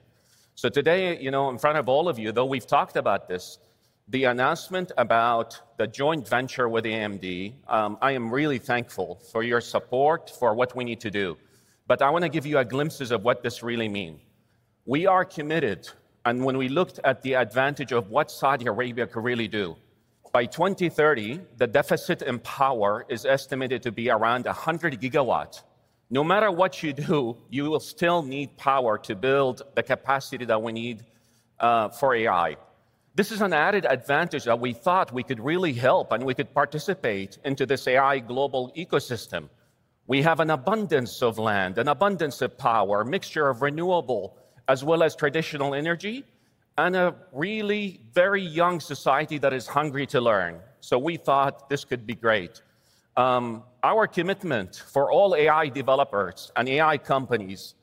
Today, you know, in front of all of you, though we've talked about this, the announcement about the joint venture with AMD, I am really thankful for your support for what we need to do. I want to give you a glimpse of what this really means. We are committed, and when we looked at the advantage of what Saudi Arabia could really do, by 2030, the deficit in power is estimated to be around 100 GW No matter what you do, you will still need power to build the capacity that we need for AI. This is an added advantage that we thought we could really help and we could participate into this AI global ecosystem. We have an abundance of land, an abundance of power, a mixture of renewable as well as traditional energy, and a really very young society that is hungry to learn. We thought this could be great. Our commitment for all AI developers and AI companies,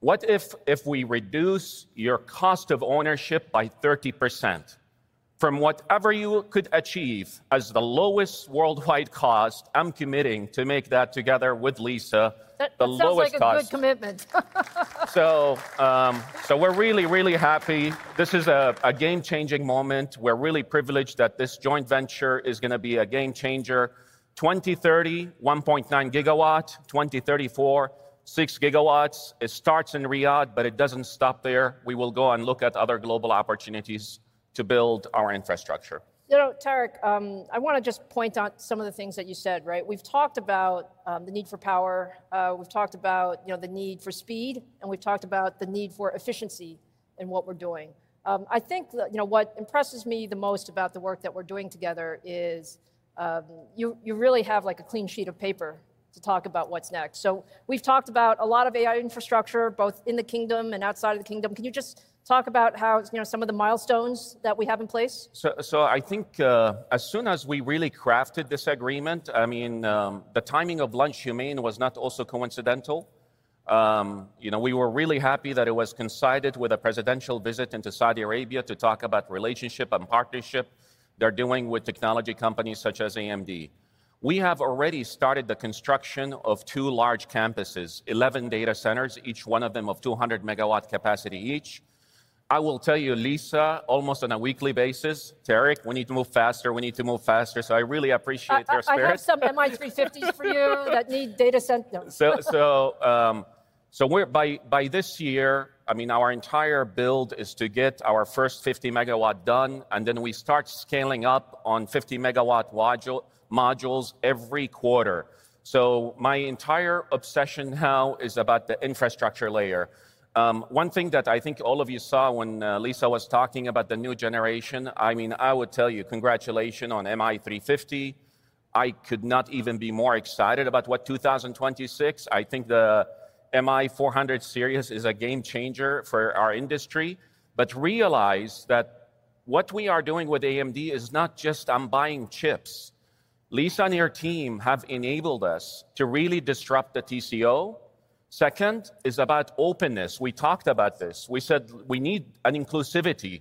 what if we reduce your cost of ownership by 30% from whatever you could achieve as the lowest worldwide cost? I'm committing to make that together with Lisa. That sounds like a good commitment. We're really, really happy. This is a game-changing moment. We're really privileged that this joint venture is going to be a game changer. 2030, 1.9 GW. 2034, 6 GW. It starts in Riyadh, but it doesn't stop there. We will go and look at other global opportunities to build our infrastructure. You know, Tareq, I want to just point out some of the things that you said, right? We've talked about the need for power. We've talked about, you know, the need for speed, and we've talked about the need for efficiency in what we're doing. I think, you know, what impresses me the most about the work that we're doing together is you really have like a clean sheet of paper to talk about what's next. We have talked about a lot of AI infrastructure, both in the Kingdom and outside of the Kingdom. Can you just talk about how, you know, some of the milestones that we have in place? I think as soon as we really crafted this agreement, I mean, the timing of launch HUMAIN was not also coincidental. You know, we were really happy that it was coincided with a presidential visit into Saudi Arabia to talk about relationship and partnership they're doing with technology companies such as AMD. We have already started the construction of two large campuses, 11 data centers, each one of them of 200 MW capacity each. I will tell you, Lisa, almost on a weekly basis, Tareq, we need to move faster. We need to move faster. I really appreciate their spirit. I heard some MI350s for you that need data centers. By this year, I mean, our entire build is to get our first 50 MW done, and then we start scaling up on 50 MW modules every quarter. My entire obsession now is about the infrastructure layer. One thing that I think all of you saw when Lisa was talking about the new generation, I mean, I would tell you, congratulations on MI350. I could not even be more excited about what 2026. I think the MI400 series is a game changer for our industry. Realize that what we are doing with AMD is not just I'm buying chips. Lisa and your team have enabled us to really disrupt the TCO. Second is about openness. We talked about this. We said we need an inclusivity.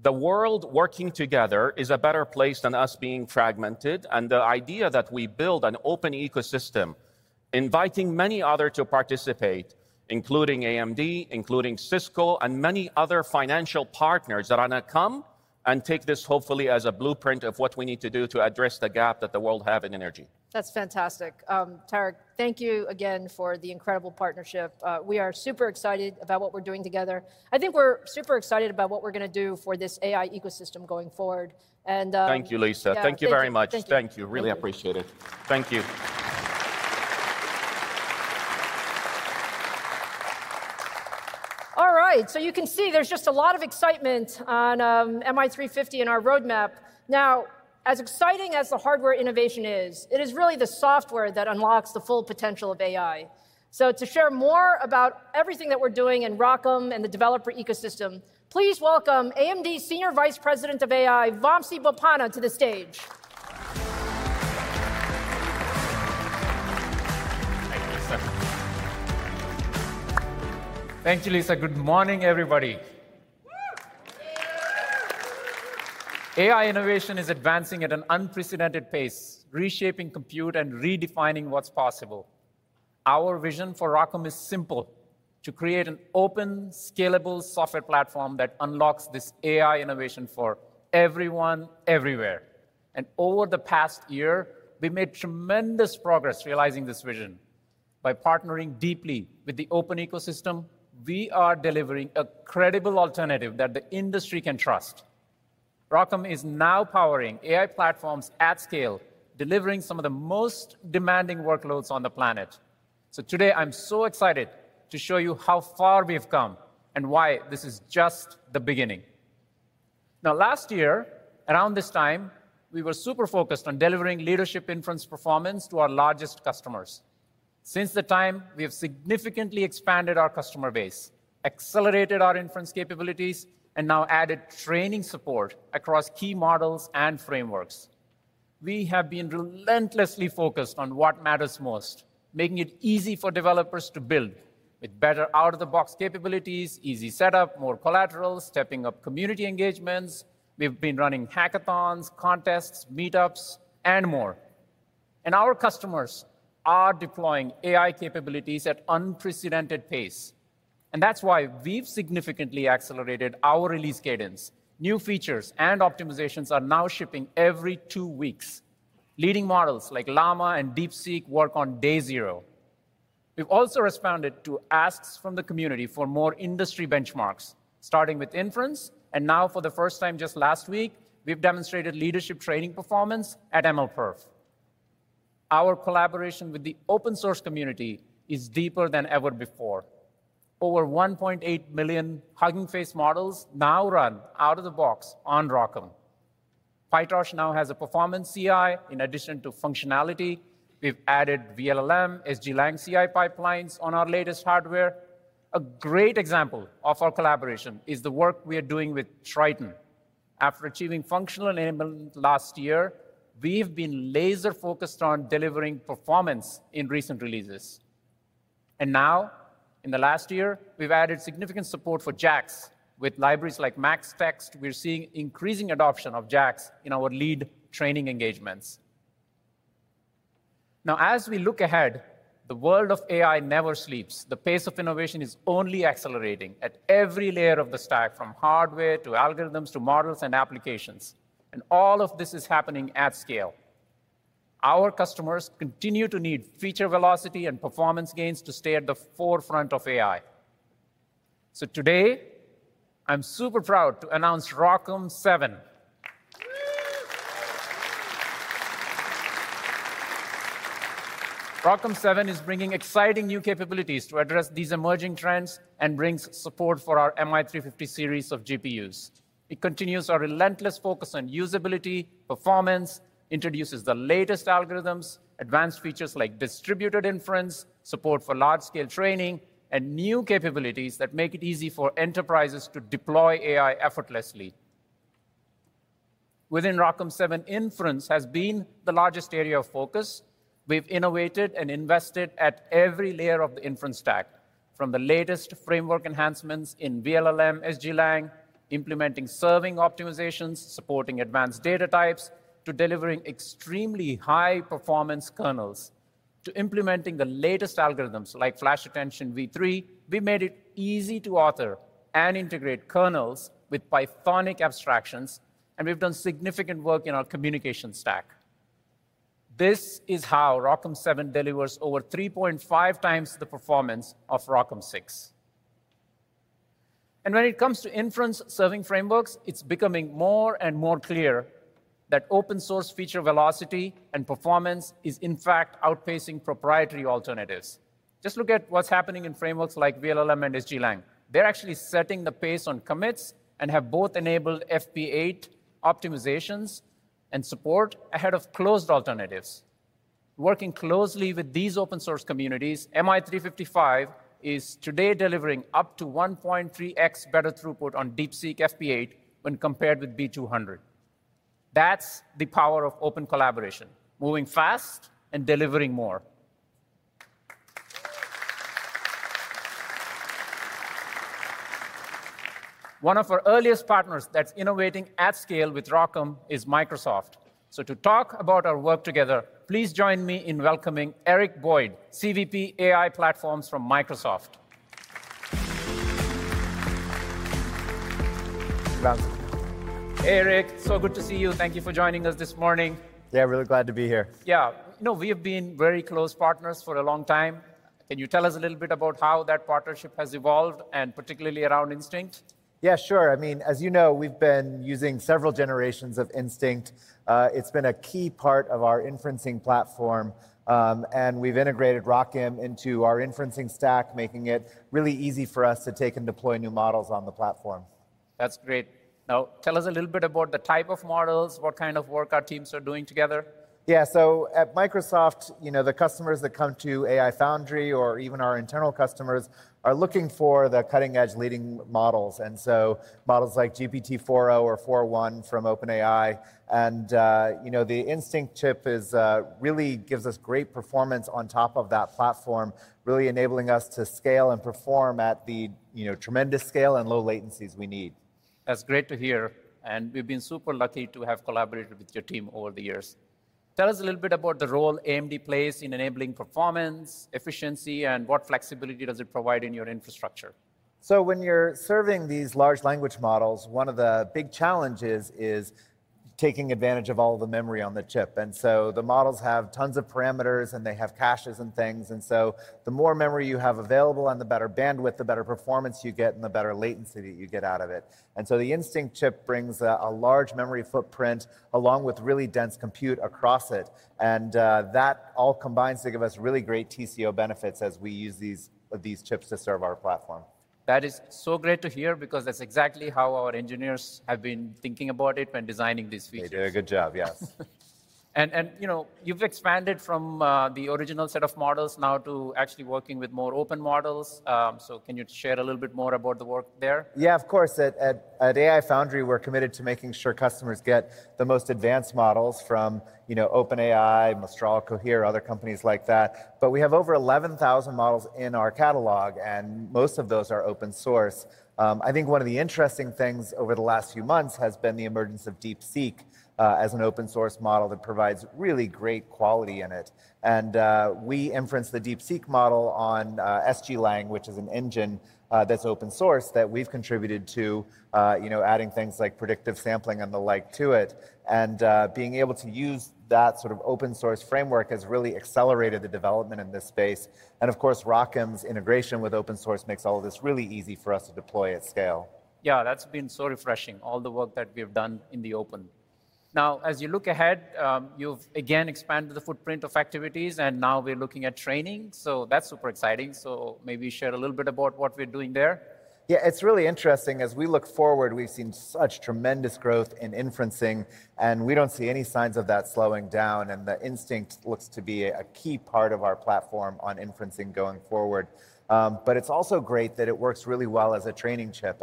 The world working together is a better place than us being fragmented. The idea that we build an open ecosystem, inviting many others to participate, including AMD, including Cisco, and many other financial partners that are going to come and take this hopefully as a blueprint of what we need to do to address the gap that the world has in energy. That's fantastic. Tareq, thank you again for the incredible partnership. We are super excited about what we're doing together. I think we're super excited about what we're going to do for this AI ecosystem going forward. Thank you, Lisa. Thank you very much. Thank you. Really appreciate it. Thank you. All right. You can see there's just a lot of excitement on MI350 and our roadmap. As exciting as the hardware innovation is, it is really the software that unlocks the full potential of AI. To share more about everything that we're doing in ROCm and the developer ecosystem, please welcome AMD Senior Vice President of AI, Vamsi Boppana, to the stage. Thank you, Lisa. Good morning, everybody. AI innovation is advancing at an unprecedented pace, reshaping compute and redefining what's possible. Our vision for ROCm is simple: to create an open, scalable software platform that unlocks this AI innovation for everyone, everywhere. Over the past year, we made tremendous progress realizing this vision. By partnering deeply with the open ecosystem, we are delivering a credible alternative that the industry can trust. ROCm is now powering AI platforms at scale, delivering some of the most demanding workloads on the planet. Today, I'm so excited to show you how far we have come and why this is just the beginning. Last year, around this time, we were super focused on delivering leadership inference performance to our largest customers. Since that time, we have significantly expanded our customer base, accelerated our inference capabilities, and now added training support across key models and frameworks. We have been relentlessly focused on what matters most, making it easy for developers to build with better out-of-the-box capabilities, easy setup, more collateral, stepping up community engagements. We've been running hackathons, contests, meetups, and more. Our customers are deploying AI capabilities at unprecedented pace. That's why we've significantly accelerated our release cadence. New features and optimizations are now shipping every two weeks. Leading models like Llama and DeepSeek work on day zero. We have also responded to asks from the community for more industry benchmarks, starting with inference, and now for the first time just last week, we have demonstrated leadership training performance at MLPerf. Our collaboration with the open-source community is deeper than ever before. Over 1.8 million Hugging Face models now run out of the box on ROCm. PyTorch now has a performance CI in addition to functionality. We have added VLLM, SGLang CI pipelines on our latest hardware. A great example of our collaboration is the work we are doing with Triton. After achieving functional enablement last year, we have been laser-focused on delivering performance in recent releases. Now, in the last year, we have added significant support for JAX with libraries like MaxText. We are seeing increasing adoption of JAX in our lead training engagements. Now, as we look ahead, the world of AI never sleeps. The pace of innovation is only accelerating at every layer of the stack, from hardware to algorithms to models and applications. All of this is happening at scale. Our customers continue to need feature velocity and performance gains to stay at the forefront of AI. Today, I'm super proud to announce ROCm 7. ROCm 7 is bringing exciting new capabilities to address these emerging trends and brings support for our MI350 series of GPUs. It continues our relentless focus on usability, performance, introduces the latest algorithms, advanced features like distributed inference, support for large-scale training, and new capabilities that make it easy for enterprises to deploy AI effortlessly. Within ROCm 7, inference has been the largest area of focus. We've innovated and invested at every layer of the inference stack, from the latest framework enhancements in VLLM, SGLang, implementing serving optimizations, supporting advanced data types, to delivering extremely high-performance kernels. To implementing the latest algorithms like Flash Attention v3, we made it easy to author and integrate kernels with Pythonic abstractions, and we've done significant work in our communication stack. This is how ROCm 7 delivers over 3.5x the performance of ROCm 6. When it comes to inference serving frameworks, it's becoming more and more clear that open-source feature velocity and performance is, in fact, outpacing proprietary alternatives. Just look at what's happening in frameworks like VLLM and SGLang. They're actually setting the pace on commits and have both enabled FP8 optimizations and support ahead of closed alternatives. Working closely with these open-source communities, MI355 is today delivering up to 1.3x better throughput on DeepSeek FP8 when compared with B200. That is the power of open collaboration: moving fast and delivering more. One of our earliest partners that is innovating at scale with ROCm is Microsoft. To talk about our work together, please join me in welcoming Eric Boyd, CVP AI Platforms from Microsoft. Eric, so good to see you. Thank you for joining us this morning. Yeah, really glad to be here. Yeah, you know, we have been very close partners for a long time. Can you tell us a little bit about how that partnership has evolved, and particularly around Instinct? Yeah, sure. I mean, as you know, we have been using several generations of Instinct. It's been a key part of our inferencing platform, and we've integrated ROCm into our inferencing stack, making it really easy for us to take and deploy new models on the platform. That's great. Now, tell us a little bit about the type of models, what kind of work our teams are doing together. Yeah, so at Microsoft, you know, the customers that come to AI Foundry or even our internal customers are looking for the cutting-edge leading models. And so models like GPT-4o or 4.1 from OpenAI. And you know, the Instinct chip really gives us great performance on top of that platform, really enabling us to scale and perform at the tremendous scale and low latencies we need. That's great to hear. And we've been super lucky to have collaborated with your team over the years. Tell us a little bit about the role AMD plays in enabling performance, efficiency, and what flexibility does it provide in your infrastructure? When you're serving these large language models, one of the big challenges is taking advantage of all the memory on the chip. The models have tons of parameters, and they have caches and things. The more memory you have available, and the better bandwidth, the better performance you get, and the better latency that you get out of it. The Instinct chip brings a large memory footprint along with really dense compute across it. That all combines to give us really great TCO benefits as we use these chips to serve our platform. That is so great to hear because that's exactly how our engineers have been thinking about it when designing these features. They did a good job, yes. And you know, you've expanded from the original set of models now to actually working with more open models. So can you share a little bit more about the work there? Yeah, of course. At AI Foundry, we're committed to making sure customers get the most advanced models from OpenAI, Mistral, Cohere, other companies like that. But we have over 11,000 models in our catalog, and most of those are open source. I think one of the interesting things over the last few months has been the emergence of DeepSeek as an open-source model that provides really great quality in it. And we inference the DeepSeek model on SGLang, which is an engine that's open source that we've contributed to, adding things like predictive sampling and the like to it. Being able to use that sort of open source framework has really accelerated the development in this space. Of course, ROCm's integration with open source makes all of this really easy for us to deploy at scale. Yeah, that's been so refreshing, all the work that we have done in the open. Now, as you look ahead, you've again expanded the footprint of activities, and now we're looking at training. That's super exciting. Maybe share a little bit about what we're doing there. Yeah, it's really interesting. As we look forward, we've seen such tremendous growth in inferencing, and we don't see any signs of that slowing down. The Instinct looks to be a key part of our platform on inferencing going forward. It's also great that it works really well as a training chip.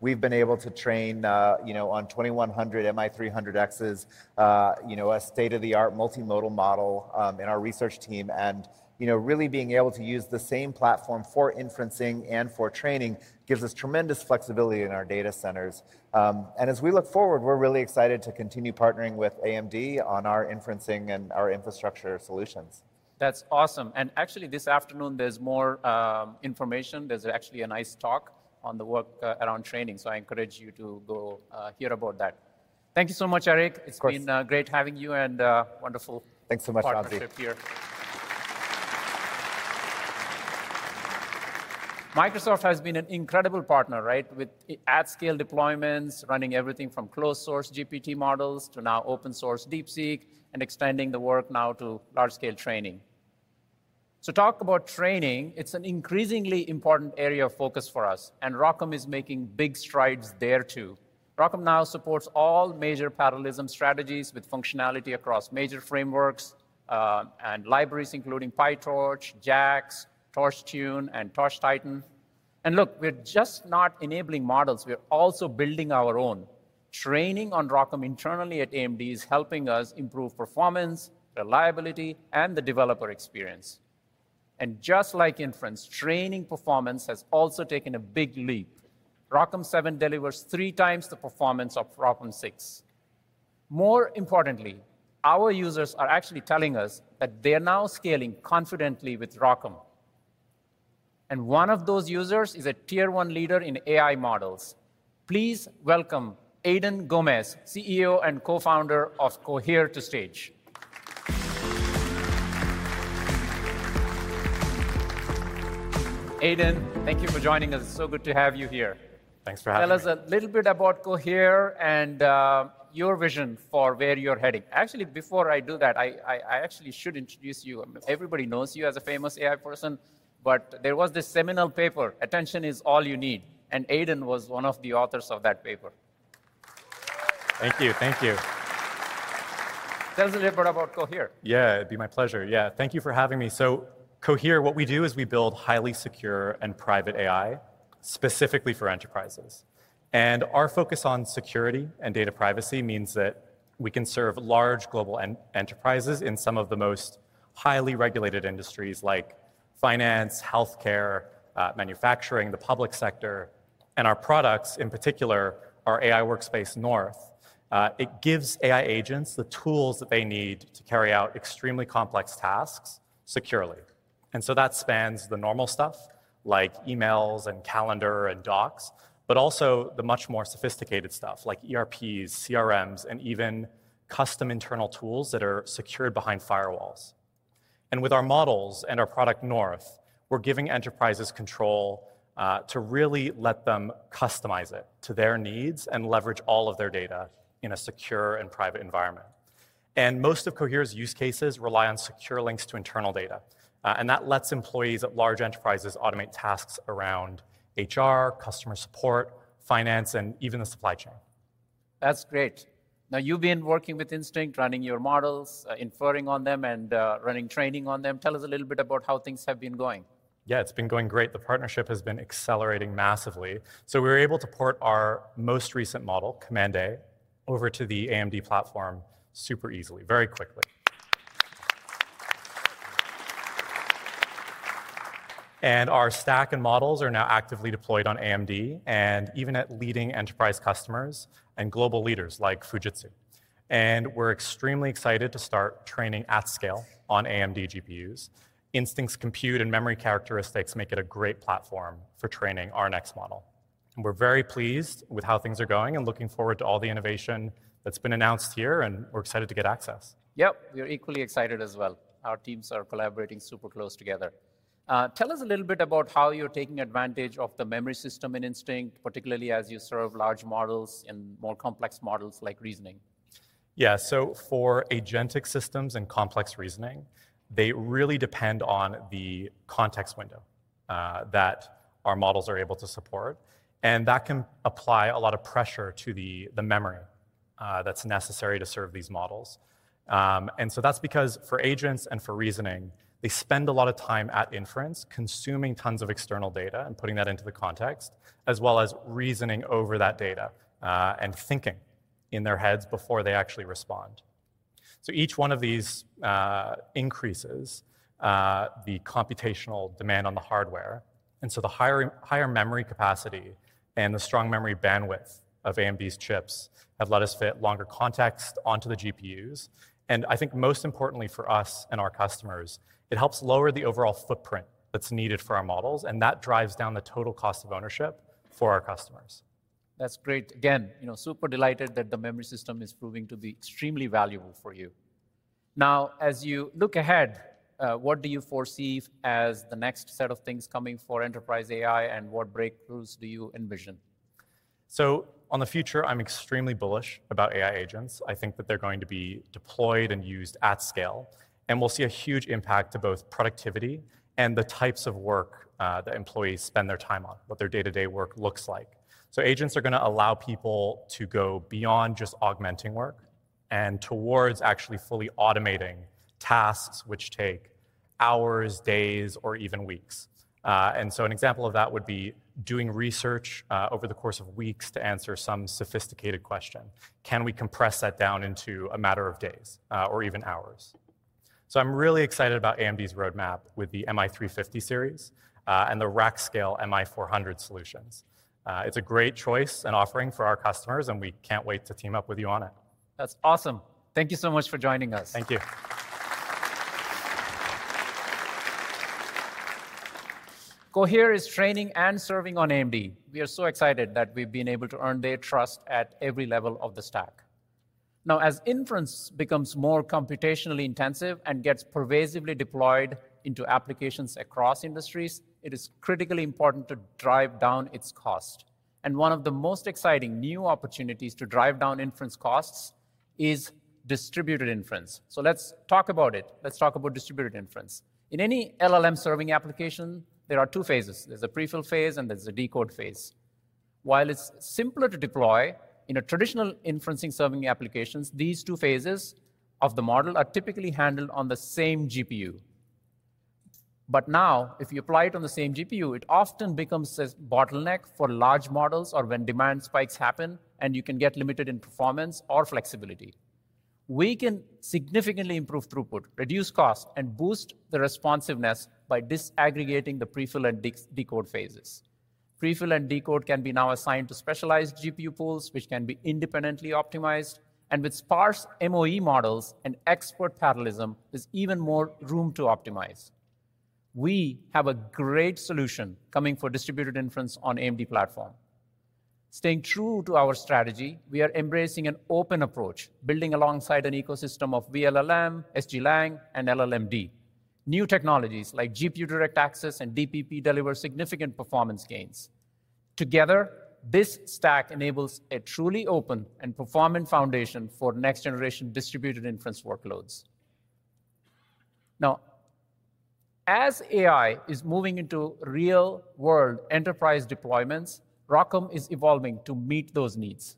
We have been able to train on 2,100 MI300X's state-of-the-art multimodal model in our research team. Really being able to use the same platform for inferencing and for training gives us tremendous flexibility in our data centers. As we look forward, we are really excited to continue partnering with AMD on our inferencing and our infrastructure solutions. That's awesome. Actually, this afternoon, there is more information. There is a nice talk on the work around training. I encourage you to go hear about that. Thank you so much, Eric. It's been great having you and wonderful here. Thanks so much, Vamsi. Microsoft has been an incredible partner, right, with at-scale deployments, running everything from closed-source GPT models to now open-source DeepSeek and extending the work now to large-scale training. Talk about training. It's an increasingly important area of focus for us. ROCm is making big strides there too. ROCm now supports all major parallelism strategies with functionality across major frameworks and libraries, including PyTorch, JAX, Torchtune, and Torchtitan. Look, we're just not enabling models. We're also building our own. Training on ROCm internally at AMD is helping us improve performance, reliability, and the developer experience. Just like inference, training performance has also taken a big leap. ROCm 7 delivers three times the performance of ROCm 6. More importantly, our users are actually telling us that they're now scaling confidently with ROCm. One of those users is a tier-one leader in AI models. Please welcome Aidan Gomez, CEO and Co-Founder of Cohere to stage. Aidan, thank you for joining us. It's so good to have you here. Thanks for having me. Tell us a little bit about Cohere and your vision for where you're heading. Actually, before I do that, I actually should introduce you. Everybody knows you as a famous AI person. But there was this seminal paper, "Attention Is All You Need," and Aidan was one of the authors of that paper. Thank you. Thank you. Tell us a little bit about Cohere. Yeah, it'd be my pleasure. Yeah, thank you for having me. So Cohere, what we do is we build highly secure and private AI specifically for enterprises. Our focus on security and data privacy means that we can serve large global enterprises in some of the most highly regulated industries like finance, healthcare, manufacturing, the public sector. Our products, in particular, our AI workspace North. It gives AI agents the tools that they need to carry out extremely complex tasks securely. That spans the normal stuff like emails and calendar and docs, but also the much more sophisticated stuff like ERPs, CRMs, and even custom internal tools that are secured behind firewalls. With our models and our product North, we're giving enterprises control to really let them customize it to their needs and leverage all of their data in a secure and private environment. Most of Cohere's use cases rely on secure links to internal data. That lets employees at large enterprises automate tasks around HR, customer support, finance, and even the supply chain. That's great. You have been working with Instinct, running your models, inferring on them, and running training on them. Tell us a little bit about how things have been going. Yeah, it's been going great. The partnership has been accelerating massively. We were able to port our most recent model, Command A, over to the AMD platform super easily, very quickly. Our stack and models are now actively deployed on AMD and even at leading enterprise customers and global leaders like Fujitsu. We are extremely excited to start training at scale on AMD GPUs. Instinct's compute and memory characteristics make it a great platform for training our next model. We are very pleased with how things are going and looking forward to all the innovation that has been announced here, and we are excited to get access. Yep, we are equally excited as well. Our teams are collaborating super close together. Tell us a little bit about how you are taking advantage of the memory system in Instinct, particularly as you serve large models and more complex models like reasoning. Yeah, for agentic systems and complex reasoning, they really depend on the context window that our models are able to support. That can apply a lot of pressure to the memory that's necessary to serve these models. That's because for agents and for reasoning, they spend a lot of time at inference, consuming tons of external data and putting that into the context, as well as reasoning over that data and thinking in their heads before they actually respond. Each one of these increases the computational demand on the hardware. The higher memory capacity and the strong memory bandwidth of AMD's chips have let us fit longer context onto the GPUs. I think most importantly for us and our customers, it helps lower the overall footprint that's needed for our models. That drives down the total cost of ownership for our customers. That's great. Again, super delighted that the memory system is proving to be extremely valuable for you. As you look ahead, what do you foresee as the next set of things coming for enterprise AI, and what breakthroughs do you envision? On the future, I'm extremely bullish about AI agents. I think that they're going to be deployed and used at scale. We'll see a huge impact to both productivity and the types of work that employees spend their time on, what their day-to-day work looks like. Agents are going to allow people to go beyond just augmenting work and towards actually fully automating tasks which take hours, days, or even weeks. An example of that would be doing research over the course of weeks to answer some sophisticated question. Can we compress that down into a matter of days or even hours? I'm really excited about AMD's roadmap with the MI350 series and the rack scale MI400 solutions. It's a great choice and offering for our customers, and we can't wait to team up with you on it. That's awesome. Thank you so much for joining us. Thank you. Cohere is training and serving on AMD. We are so excited that we've been able to earn their trust at every level of the stack. Now, as inference becomes more computationally intensive and gets pervasively deployed into applications across industries, it is critically important to drive down its cost. One of the most exciting new opportunities to drive down inference costs is distributed inference. Let's talk about it. Let's talk about distributed inference. In any LLM serving application, there are two phases. There's a prefill phase, and there's a decode phase. While it's simpler to deploy in traditional inferencing serving applications, these two phases of the model are typically handled on the same GPU. If you apply it on the same GPU, it often becomes a bottleneck for large models or when demand spikes happen, and you can get limited in performance or flexibility. We can significantly improve throughput, reduce cost, and boost the responsiveness by disaggregating the prefill and decode phases. Prefill and decode can now be assigned to specialized GPU pools, which can be independently optimized. With sparse MOE models and expert parallelism, there's even more room to optimize. We have a great solution coming for distributed inference on AMD platform. Staying true to our strategy, we are embracing an open approach, building alongside an ecosystem of VLLM, SGLang, and LLMD. New technologies like GPUDirect access and DPP deliver significant performance gains. Together, this stack enables a truly open and performant foundation for next-generation distributed inference workloads. Now, as AI is moving into real-world enterprise deployments, ROCm is evolving to meet those needs.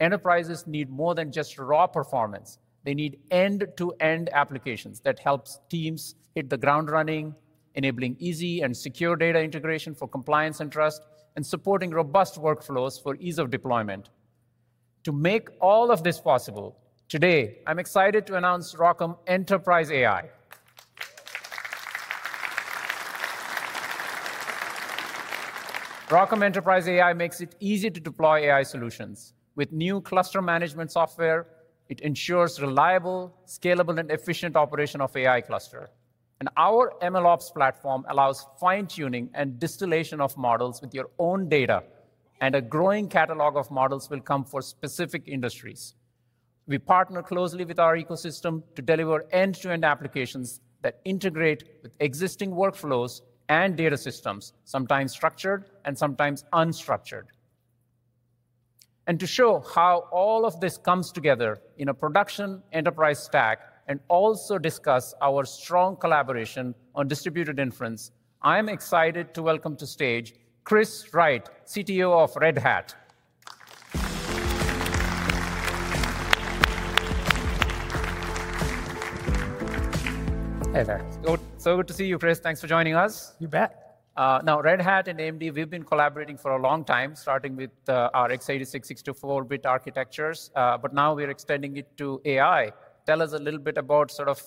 Enterprises need more than just raw performance. They need end-to-end applications that help teams hit the ground running, enabling easy and secure data integration for compliance and trust, and supporting robust workflows for ease of deployment. To make all of this possible, today, I'm excited to announce ROCm Enterprise AI. ROCm Enterprise AI makes it easy to deploy AI solutions. With new cluster management software, it ensures reliable, scalable, and efficient operation of AI cluster. Our MLOps platform allows fine-tuning and distillation of models with your own data. A growing catalog of models will come for specific industries. We partner closely with our ecosystem to deliver end-to-end applications that integrate with existing workflows and data systems, sometimes structured and sometimes unstructured. To show how all of this comes together in a production enterprise stack and also discuss our strong collaboration on distributed inference, I'm excited to welcome to stage Chris Wright, CTO of Red Hat. Hey there. So good to see you, Chris. Thanks for joining us. You bet. Now, Red Hat and AMD, we've been collaborating for a long time, starting with our x86 64-bit architectures. Now we're extending it to AI. Tell us a little bit about sort of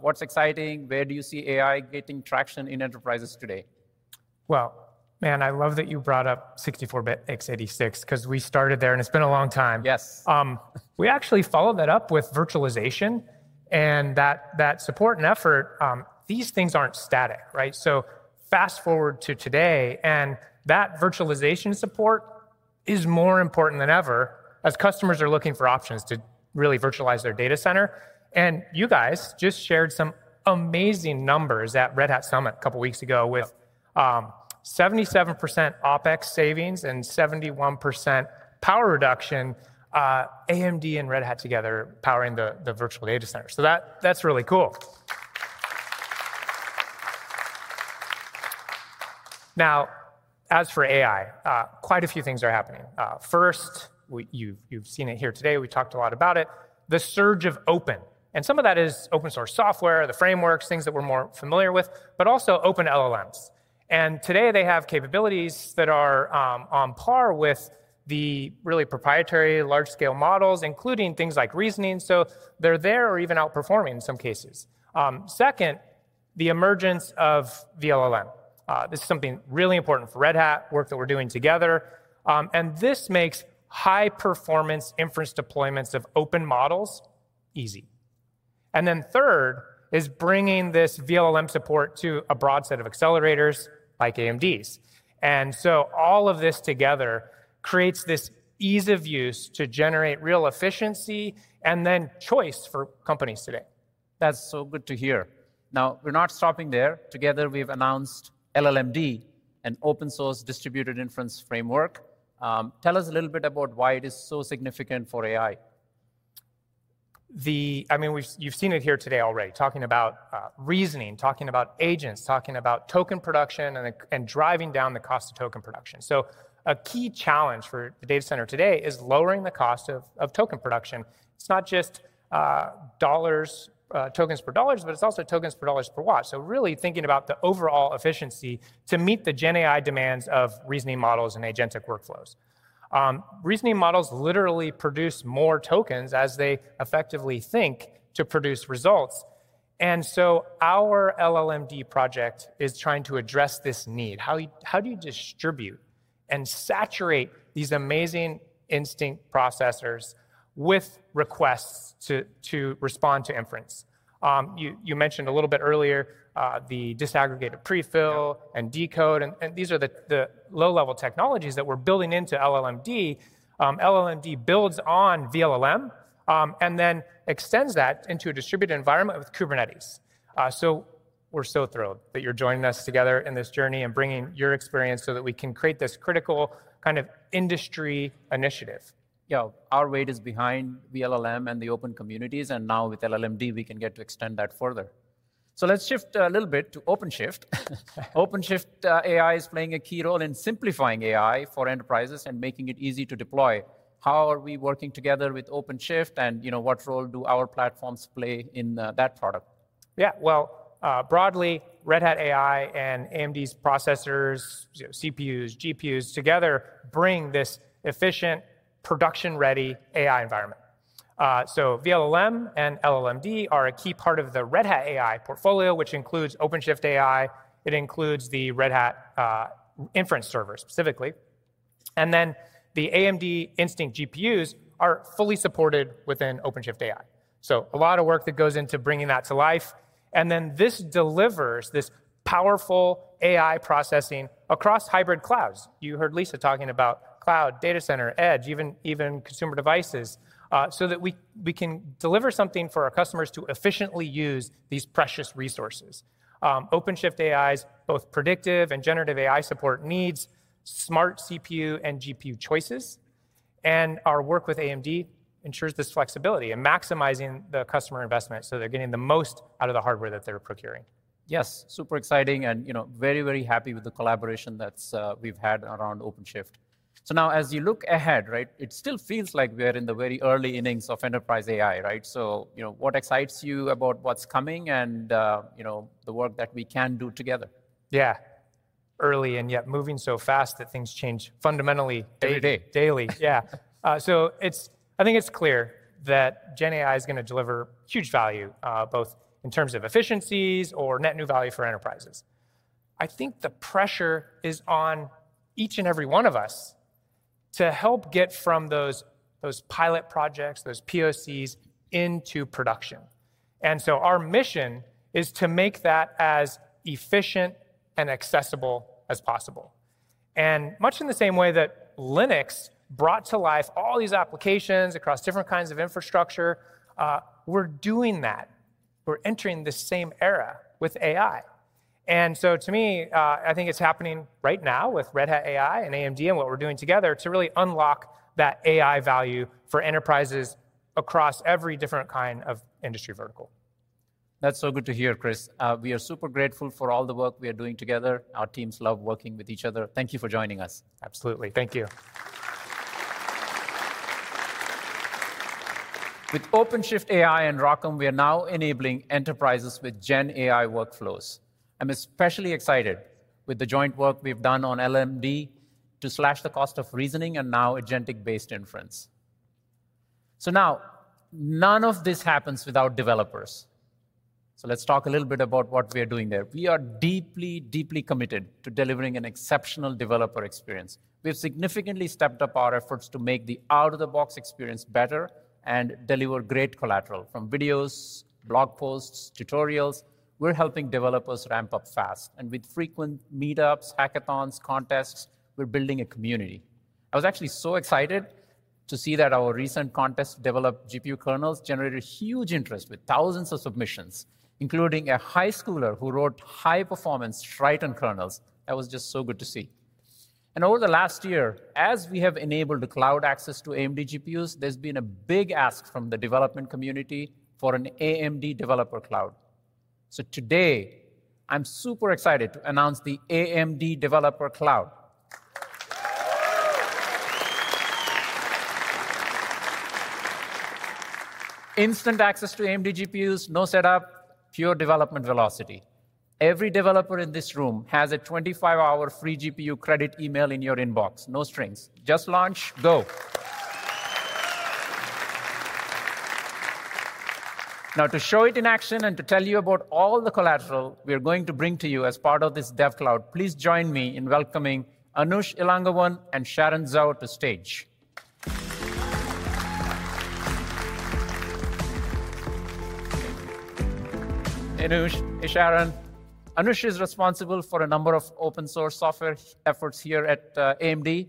what's exciting. Where do you see AI getting traction in enterprises today? Man, I love that you brought up 64-bit x86 because we started there, and it's been a long time. Yes. We actually followed that up with virtualization. That support and effort, these things are not static, right? Fast forward to today, and that virtualization support is more important than ever as customers are looking for options to really virtualize their data center. You guys just shared some amazing numbers at Red Hat Summit a couple of weeks ago with 77% OpEx savings and 71% power reduction, AMD and Red Hat together powering the virtual data center. That is really cool. As for AI, quite a few things are happening. First, you have seen it here today. We talked a lot about it. The surge of open. Some of that is open-source software, the frameworks, things that we are more familiar with, but also open LLMs. Today, they have capabilities that are on par with the really proprietary large-scale models, including things like reasoning. They are there or even outperforming in some cases. Second, the emergence of VLLM. This is something really important for Red Hat, work that we're doing together. This makes high-performance inference deployments of open models easy. Third is bringing this VLLM support to a broad set of accelerators like AMD's. All of this together creates this ease of use to generate real efficiency and then choice for companies today. That's so good to hear. Now, we're not stopping there. Together, we've announced LLMD, an open-source distributed inference framework. Tell us a little bit about why it is so significant for AI. I mean, you've seen it here today already, talking about reasoning, talking about agents, talking about token production and driving down the cost of token production. A key challenge for the data center today is lowering the cost of token production. It's not just dollars, tokens per dollars, but it's also tokens per dollars per watt. Really thinking about the overall efficiency to meet the GenAI demands of reasoning models and agentic workflows. Reasoning models literally produce more tokens as they effectively think to produce results. Our LLMD project is trying to address this need. How do you distribute and saturate these amazing Instinct processors with requests to respond to inference? You mentioned a little bit earlier the disaggregated prefill and decode. These are the low-level technologies that we're building into LLMD. LLMD builds on VLLM and then extends that into a distributed environment with Kubernetes. We're so thrilled that you're joining us together in this journey and bringing your experience so that we can create this critical kind of industry initiative. Our weight is behind VLLM and the open communities. Now with LLMD, we can get to extend that further. Let's shift a little bit to OpenShift. OpenShift AI is playing a key role in simplifying AI for enterprises and making it easy to deploy. How are we working together with OpenShift? What role do our platforms play in that product? Broadly, Red Hat AI and AMD's processors, CPUs, GPUs together bring this efficient, production-ready AI environment. VLLM and LLMD are a key part of the Red Hat AI portfolio, which includes OpenShift AI. It includes the Red Hat inference servers specifically. The AMD Instinct GPUs are fully supported within OpenShift AI. A lot of work goes into bringing that to life. This delivers powerful AI processing across hybrid clouds. You heard Lisa talking about cloud, data center, edge, even consumer devices so that we can deliver something for our customers to efficiently use these precious resources. OpenShift AI's both predictive and generative AI support needs smart CPU and GPU choices. Our work with AMD ensures this flexibility and maximizing the customer investment so they're getting the most out of the hardware that they're procuring. Yes, super exciting and very, very happy with the collaboration that we've had around OpenShift. Now, as you look ahead, right, it still feels like we're in the very early innings of enterprise AI, right? What excites you about what's coming and the work that we can do together? Yeah. Early and yet moving so fast that things change fundamentally. Every day. Daily, yeah. I think it's clear that GenAI is going to deliver huge value, both in terms of efficiencies or net new value for enterprises. I think the pressure is on each and every one of us to help get from those pilot projects, those POCs, into production. Our mission is to make that as efficient and accessible as possible. Much in the same way that Linux brought to life all these applications across different kinds of infrastructure, we're doing that. We're entering the same era with AI. To me, I think it's happening right now with Red Hat AI and AMD and what we're doing together to really unlock that AI value for enterprises across every different kind of industry vertical. That's so good to hear, Chris. We are super grateful for all the work we are doing together. Our teams love working with each other. Thank you for joining us. Absolutely. Thank you. With OpenShift AI and ROCm, we are now enabling enterprises with GenAI workflows. I'm especially excited with the joint work we've done on LLMD to slash the cost of reasoning and now agentic-based inference. None of this happens without developers. Let's talk a little bit about what we are doing there. We are deeply, deeply committed to delivering an exceptional developer experience. We have significantly stepped up our efforts to make the out-of-the-box experience better and deliver great collateral from videos, blog posts, tutorials. We're helping developers ramp up fast. With frequent meetups, hackathons, contests, we're building a community. I was actually so excited to see that our recent contest developed GPU kernels generated huge interest with thousands of submissions, including a high schooler who wrote high-performance Triton kernels. That was just so good to see. Over the last year, as we have enabled the cloud access to AMD GPUs, there's been a big ask from the development community for an AMD Developer Cloud. Today, I'm super excited to announce the AMD Developer Cloud. Instant access to AMD GPUs, no setup, pure development velocity. Every developer in this room has a 25-hour free GPU credit email in your inbox. No strings. Just launch. Go. Now, to show it in action and to tell you about all the collateral we are going to bring to you as part of this DevCloud, please join me in welcoming Anush Elangovan and Sharon Zhou to stage. Anush, hey, Sharon. Anush is responsible for a number of open-source software efforts here at AMD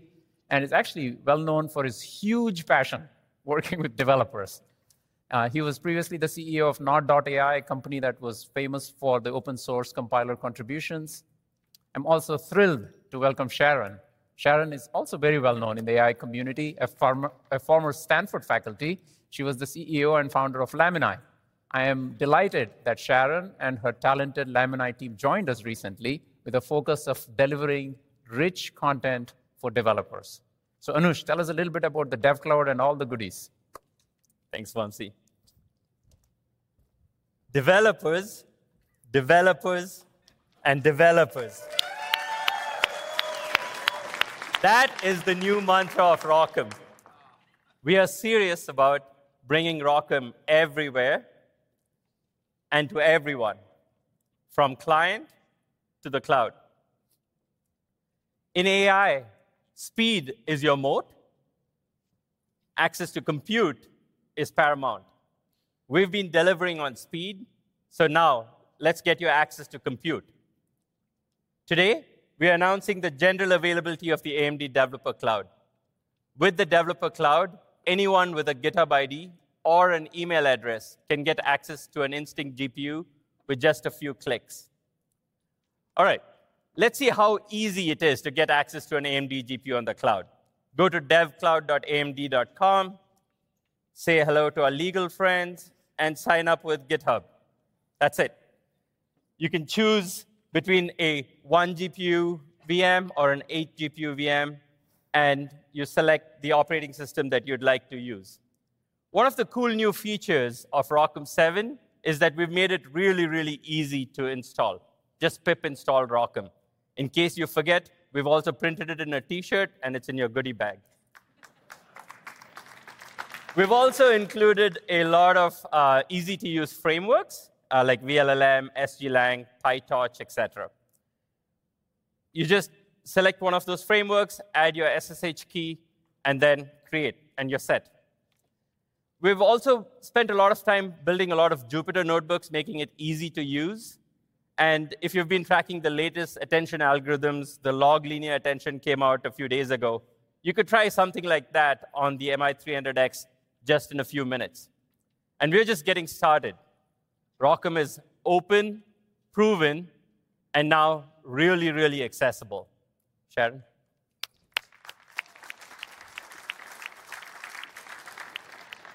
and is actually well-known for his huge passion working with developers. He was previously the CEO of Nod.ai, a company that was famous for the open-source compiler contributions. I'm also thrilled to welcome Sharon. Sharon is also very well-known in the AI community, a former Stanford faculty. She was the CEO and Founder of Lamini. I am delighted that Sharon and her talented Lamini team joined us recently with a focus of delivering rich content for developers. So Anush, tell us a little bit about the DevCloud and all the goodies. Thanks, Vamsi. Developers, developers, and developers. That is the new mantra of ROCm. We are serious about bringing ROCm everywhere and to everyone, from client to the cloud. In AI, speed is your moat. Access to compute is paramount. We've been delivering on speed. So now, let's get your access to compute. Today, we are announcing the general availability of the AMD Developer Cloud. With the Developer Cloud, anyone with a GitHub ID or an email address can get access to an Instinct GPU with just a few clicks. All right, let's see how easy it is to get access to an AMD GPU on the cloud. Go to devcloud.amd.com, say hello to our legal friends, and sign up with GitHub. That's it. You can choose between a 1-GPU VM or an 8-GPU VM, and you select the operating system that you'd like to use. One of the cool new features of ROCm 7 is that we've made it really, really easy to install. Just pip install ROCm. In case you forget, we've also printed it in a T-shirt, and it's in your goody bag. We've also included a lot of easy-to-use frameworks like VLLM, SGLang, PyTorch, et cetera. You just select one of those frameworks, add your SSH key, and then create, and you're set. We've also spent a lot of time building a lot of Jupyter notebooks, making it easy to use. If you've been tracking the latest attention algorithms, the log linear attention came out a few days ago. You could try something like that on the MI300X just in a few minutes. We're just getting started. ROCm is open, proven, and now really, really accessible. Sharon.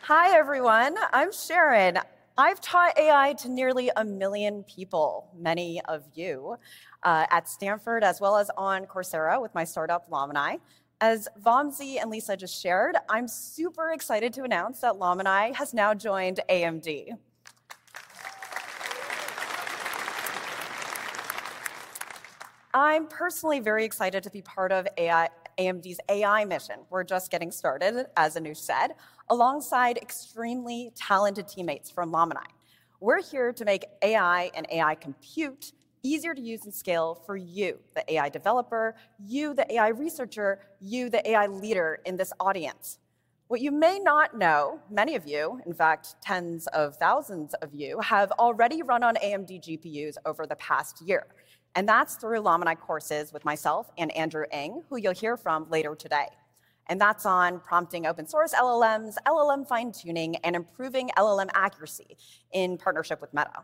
Hi, everyone. I'm Sharon. I've taught AI to nearly a million people, many of you, at Stanford as well as on Coursera with my startup, Lamini. As Vamsi and Lisa just shared, I'm super excited to announce that Lamini has now joined AMD. I'm personally very excited to be part of AMD's AI mission. We're just getting started, as Anush said, alongside extremely talented teammates from Lamini. We're here to make AI and AI compute easier to use and scale for you, the AI developer, you, the AI researcher, you, the AI leader in this audience. What you may not know, many of you, in fact, tens of thousands of you, have already run on AMD GPUs over the past year. That is through Lamini courses with myself and Andrew Ng, who you'll hear from later today. That is on prompting open-source LLMs, LLM fine-tuning, and improving LLM accuracy in partnership with Meta.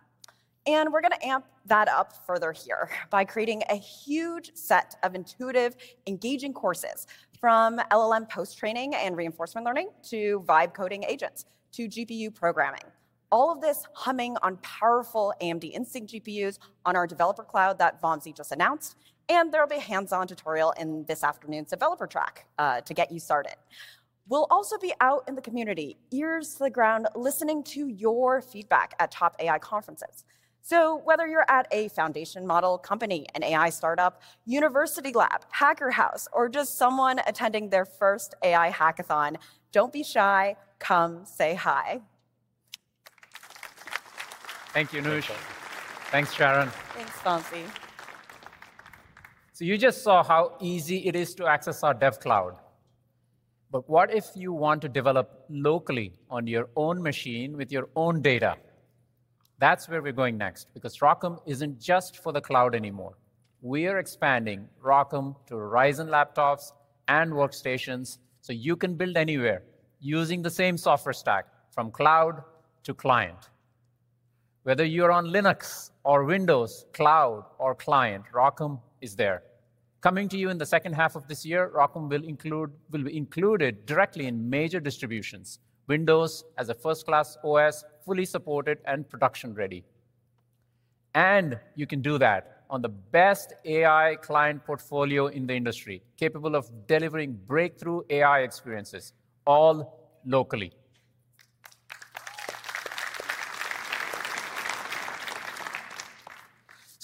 We are going to amp that up further here by creating a huge set of intuitive, engaging courses from LLM post-training and reinforcement learning to vibe coding agents to GPU programming. All of this humming on powerful AMD Instinct GPUs on our developer cloud that Vamsi just announced. There will be a hands-on tutorial in this afternoon's developer track to get you started. We'll also be out in the community, ears to the ground, listening to your feedback at top AI conferences. Whether you're at a foundation model company, an AI startup, university lab, hacker house, or just someone attending their first AI hackathon, don't be shy. Come say hi. Thank you, Anush. Thanks, Sharon. Thanks, Vamsi. You just saw how easy it is to access our DevCloud. What if you want to develop locally on your own machine with your own data? That's where we're going next, because ROCm isn't just for the cloud anymore. We are expanding ROCm to Ryzen laptops and workstations so you can build anywhere using the same software stack from cloud to client. Whether you're on Linux or Windows, cloud or client, ROCm is there. Coming to you in the second half of this year, ROCm will be included directly in major distributions, Windows as a first-class OS, fully supported and production-ready. You can do that on the best AI client portfolio in the industry, capable of delivering breakthrough AI experiences all locally.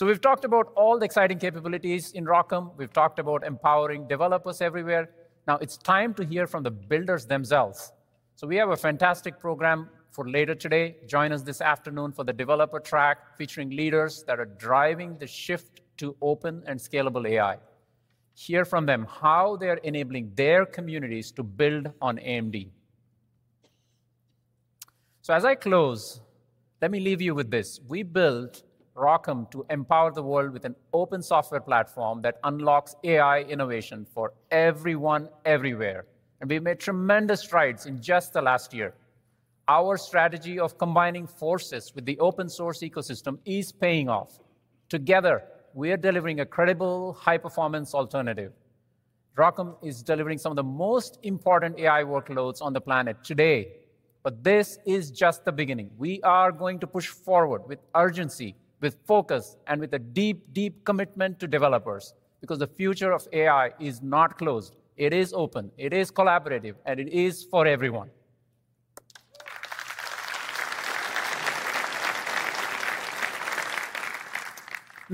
We have talked about all the exciting capabilities in ROCm. We have talked about empowering developers everywhere. Now it is time to hear from the builders themselves. We have a fantastic program for later today. Join us this afternoon for the Developer Track featuring leaders that are driving the shift to open and scalable AI. Hear from them how they are enabling their communities to build on AMD. As I close, let me leave you with this. We built ROCm to empower the world with an open software platform that unlocks AI innovation for everyone everywhere. We have made tremendous strides in just the last year. Our strategy of combining forces with the open-source ecosystem is paying off. Together, we are delivering a credible, high-performance alternative. ROCm is delivering some of the most important AI workloads on the planet today. This is just the beginning. We are going to push forward with urgency, with focus, and with a deep, deep commitment to developers because the future of AI is not closed. It is open. It is collaborative. It is for everyone.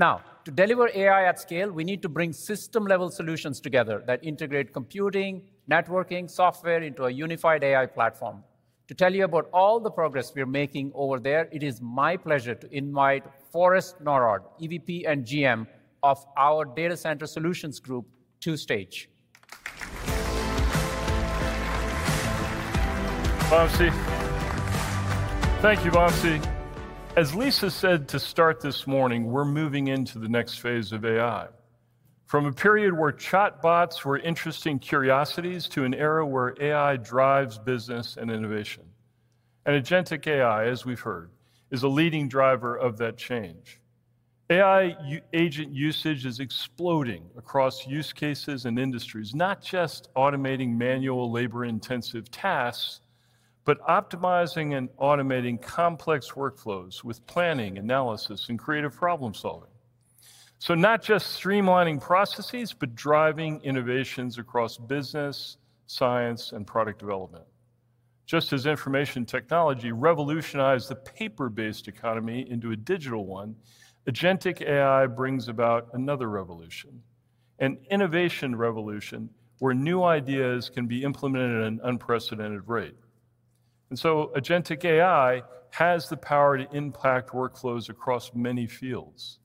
Now, to deliver AI at scale, we need to bring system-level solutions together that integrate computing, networking, software into a unified AI platform. To tell you about all the progress we are making over there, it is my pleasure to invite Forrest Norrod, EVP and GM of our Data Center Solutions Group, to stage. Vamsi. Thank you, Vamsi. As Lisa said to start this morning, we're moving into the next phase of AI. From a period where chatbots were interesting curiosities to an era where AI drives business and innovation. Agentic AI, as we've heard, is a leading driver of that change. AI agent usage is exploding across use cases and industries, not just automating manual labor-intensive tasks, but optimizing and automating complex workflows with planning, analysis, and creative problem-solving. Not just streamlining processes, but driving innovations across business, science, and product development. Just as information technology revolutionized the paper-based economy into a digital one, agentic AI brings about another revolution, an innovation revolution where new ideas can be implemented at an unprecedented rate. Agentic AI has the power to impact workflows across many fields.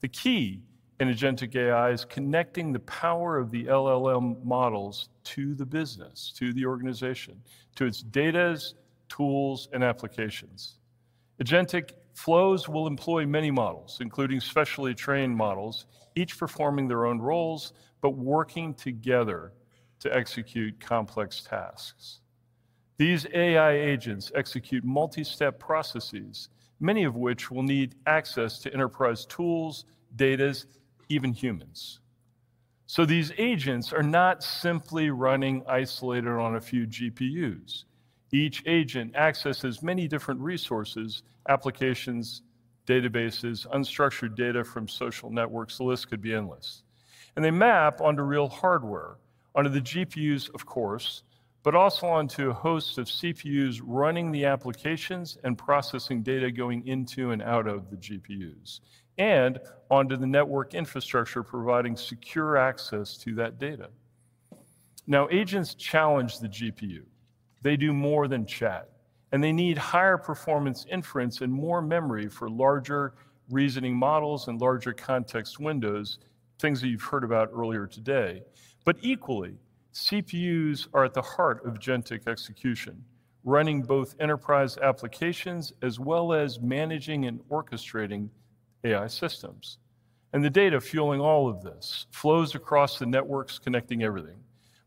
The key in agentic AI is connecting the power of the LLM models to the business, to the organization, to its data, tools, and applications. Agentic flows will employ many models, including specially trained models, each performing their own roles, but working together to execute complex tasks. These AI agents execute multi-step processes, many of which will need access to enterprise tools, data, even humans. These agents are not simply running isolated on a few GPUs. Each agent accesses many different resources, applications, databases, unstructured data from social networks. The list could be endless. They map onto real hardware, onto the GPUs, of course, but also onto a host of CPUs running the applications and processing data going into and out of the GPUs, and onto the network infrastructure providing secure access to that data. Now, agents challenge the GPU. They do more than chat. They need higher performance inference and more memory for larger reasoning models and larger context windows, things that you've heard about earlier today. Equally, CPUs are at the heart of agentic execution, running both enterprise applications as well as managing and orchestrating AI systems. The data fueling all of this flows across the networks connecting everything.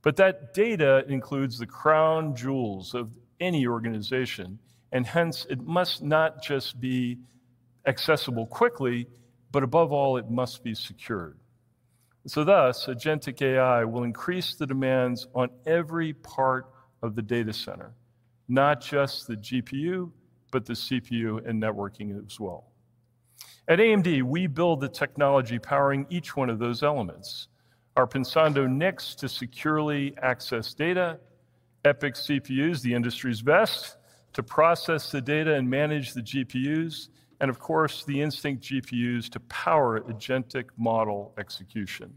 That data includes the crown jewels of any organization. Hence, it must not just be accessible quickly, but above all, it must be secured. Thus, agentic AI will increase the demands on every part of the data center, not just the GPU, but the CPU and networking as well. At AMD, we build the technology powering each one of those elements. Our Pensando NICs to securely access data, EPYC CPUs, the industry's best, to process the data and manage the GPUs, and of course, the Instinct GPUs to power agentic model execution.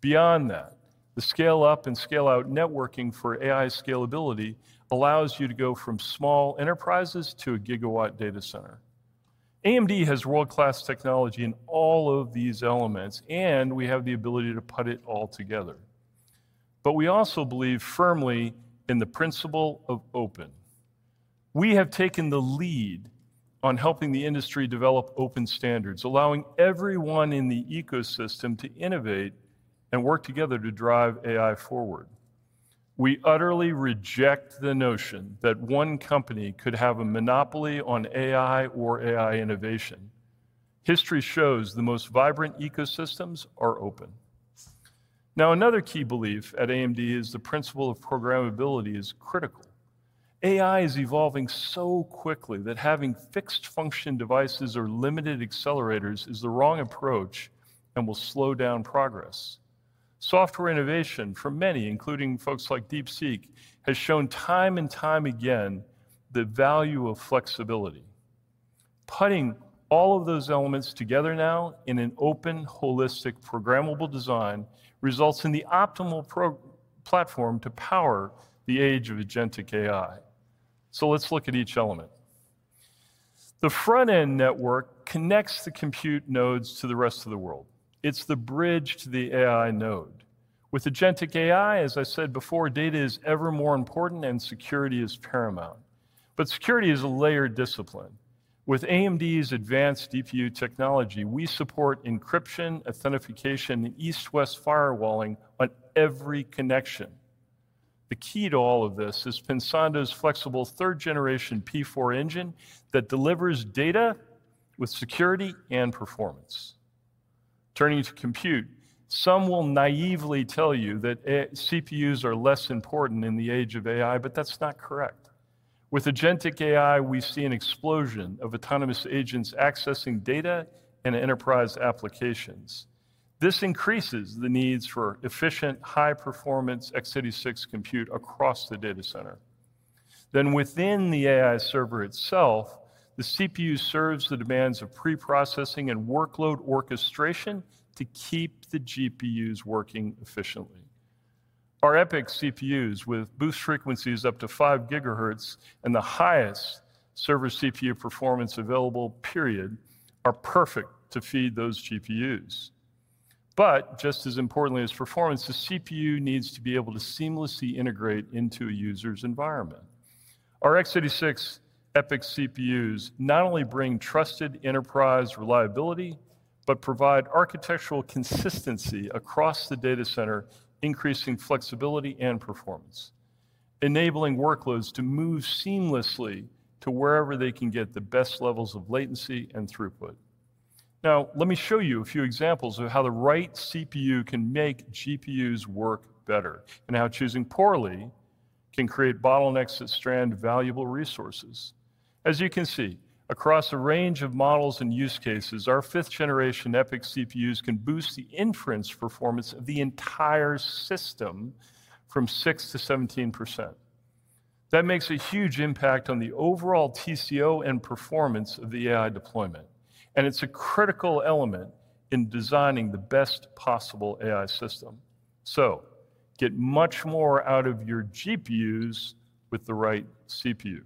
Beyond that, the scale-up and scale-out networking for AI scalability allows you to go from small enterprises to a gigawatt data center. AMD has world-class technology in all of these elements, and we have the ability to put it all together. We also believe firmly in the principle of open. We have taken the lead on helping the industry develop open standards, allowing everyone in the ecosystem to innovate and work together to drive AI forward. We utterly reject the notion that one company could have a monopoly on AI or AI innovation. History shows the most vibrant ecosystems are open. Now, another key belief at AMD is the principle of programmability is critical. AI is evolving so quickly that having fixed function devices or limited accelerators is the wrong approach and will slow down progress. Software innovation for many, including folks like DeepSeek, has shown time and time again the value of flexibility. Putting all of those elements together now in an open, holistic, programmable design results in the optimal platform to power the age of agentic AI. Let's look at each element. The front-end network connects the compute nodes to the rest of the world. It's the bridge to the AI node. With agentic AI, as I said before, data is ever more important and security is paramount. Security is a layered discipline. With AMD's advanced DPU technology, we support encryption, authentication, and east-west firewalling on every connection. The key to all of this is Pensando's flexible third-generation P4 engine that delivers data with security and performance. Turning to compute, some will naively tell you that CPUs are less important in the age of AI, but that's not correct. With agentic AI, we see an explosion of autonomous agents accessing data and enterprise applications. This increases the needs for efficient, high-performance x86 compute across the data center. Within the AI server itself, the CPU serves the demands of pre-processing and workload orchestration to keep the GPUs working efficiently. Our EPYC CPUs with boost frequencies up to 5 GHz and the highest server CPU performance available, period, are perfect to feed those GPUs. Just as importantly as performance, the CPU needs to be able to seamlessly integrate into a user's environment. Our x86 EPYC CPUs not only bring trusted enterprise reliability, but provide architectural consistency across the data center, increasing flexibility and performance, enabling workloads to move seamlessly to wherever they can get the best levels of latency and throughput. Now, let me show you a few examples of how the right CPU can make GPUs work better and how choosing poorly can create bottlenecks that strand valuable resources. As you can see, across a range of models and use cases, our fifth-generation EPYC CPUs can boost the inference performance of the entire system from 6% to 17%. That makes a huge impact on the overall TCO and performance of the AI deployment. It is a critical element in designing the best possible AI system. Get much more out of your GPUs with the right CPU.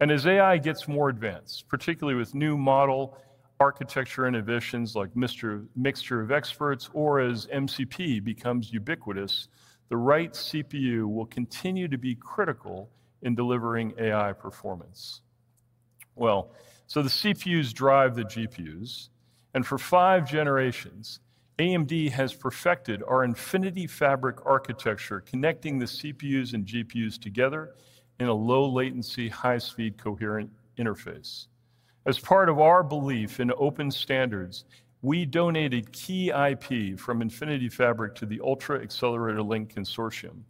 As AI gets more advanced, particularly with new model architecture innovations like mixture of experts or as MCP becomes ubiquitous, the right CPU will continue to be critical in delivering AI performance. The CPUs drive the GPUs. For five generations, AMD has perfected our Infinity Fabric architecture, connecting the CPUs and GPUs together in a low-latency, high-speed coherent interface. As part of our belief in open standards, we donated key IP from Infinity Fabric to the Ultra Accelerator Link Consortium.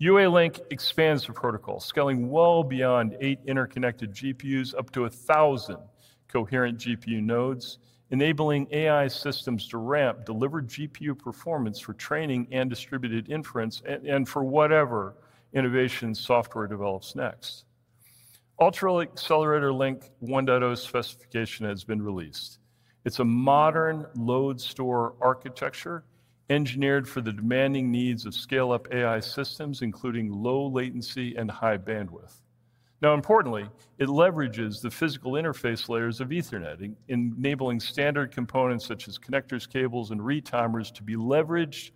UALink expands the protocol, scaling well beyond eight interconnected GPUs up to 1,000 coherent GPU nodes, enabling AI systems to ramp delivered GPU performance for training and distributed inference and for whatever innovation software develops next. Ultra Accelerator Link 1.0 specification has been released. It is a modern load store architecture engineered for the demanding needs of scale-up AI systems, including low latency and high bandwidth. Now, importantly, it leverages the physical interface layers of Ethernet, enabling standard components such as connectors, cables, and retimers to be leveraged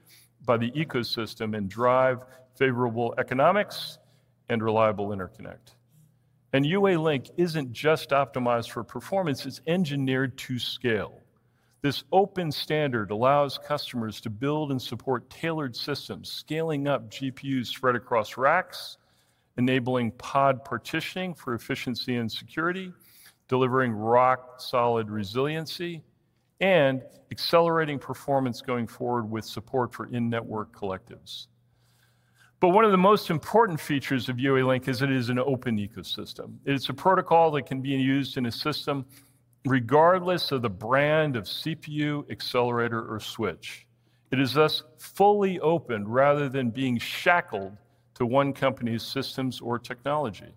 by the ecosystem and drive favorable economics and reliable interconnect. UALink is not just optimized for performance. It is engineered to scale. This open standard allows customers to build and support tailored systems, scaling up GPUs spread across racks, enabling pod partitioning for efficiency and security, delivering rock-solid resiliency, and accelerating performance going forward with support for in-network collectives. One of the most important features of UALink is it is an open ecosystem. It is a protocol that can be used in a system regardless of the brand of CPU, accelerator, or switch. It is thus fully open rather than being shackled to one company's systems or technology.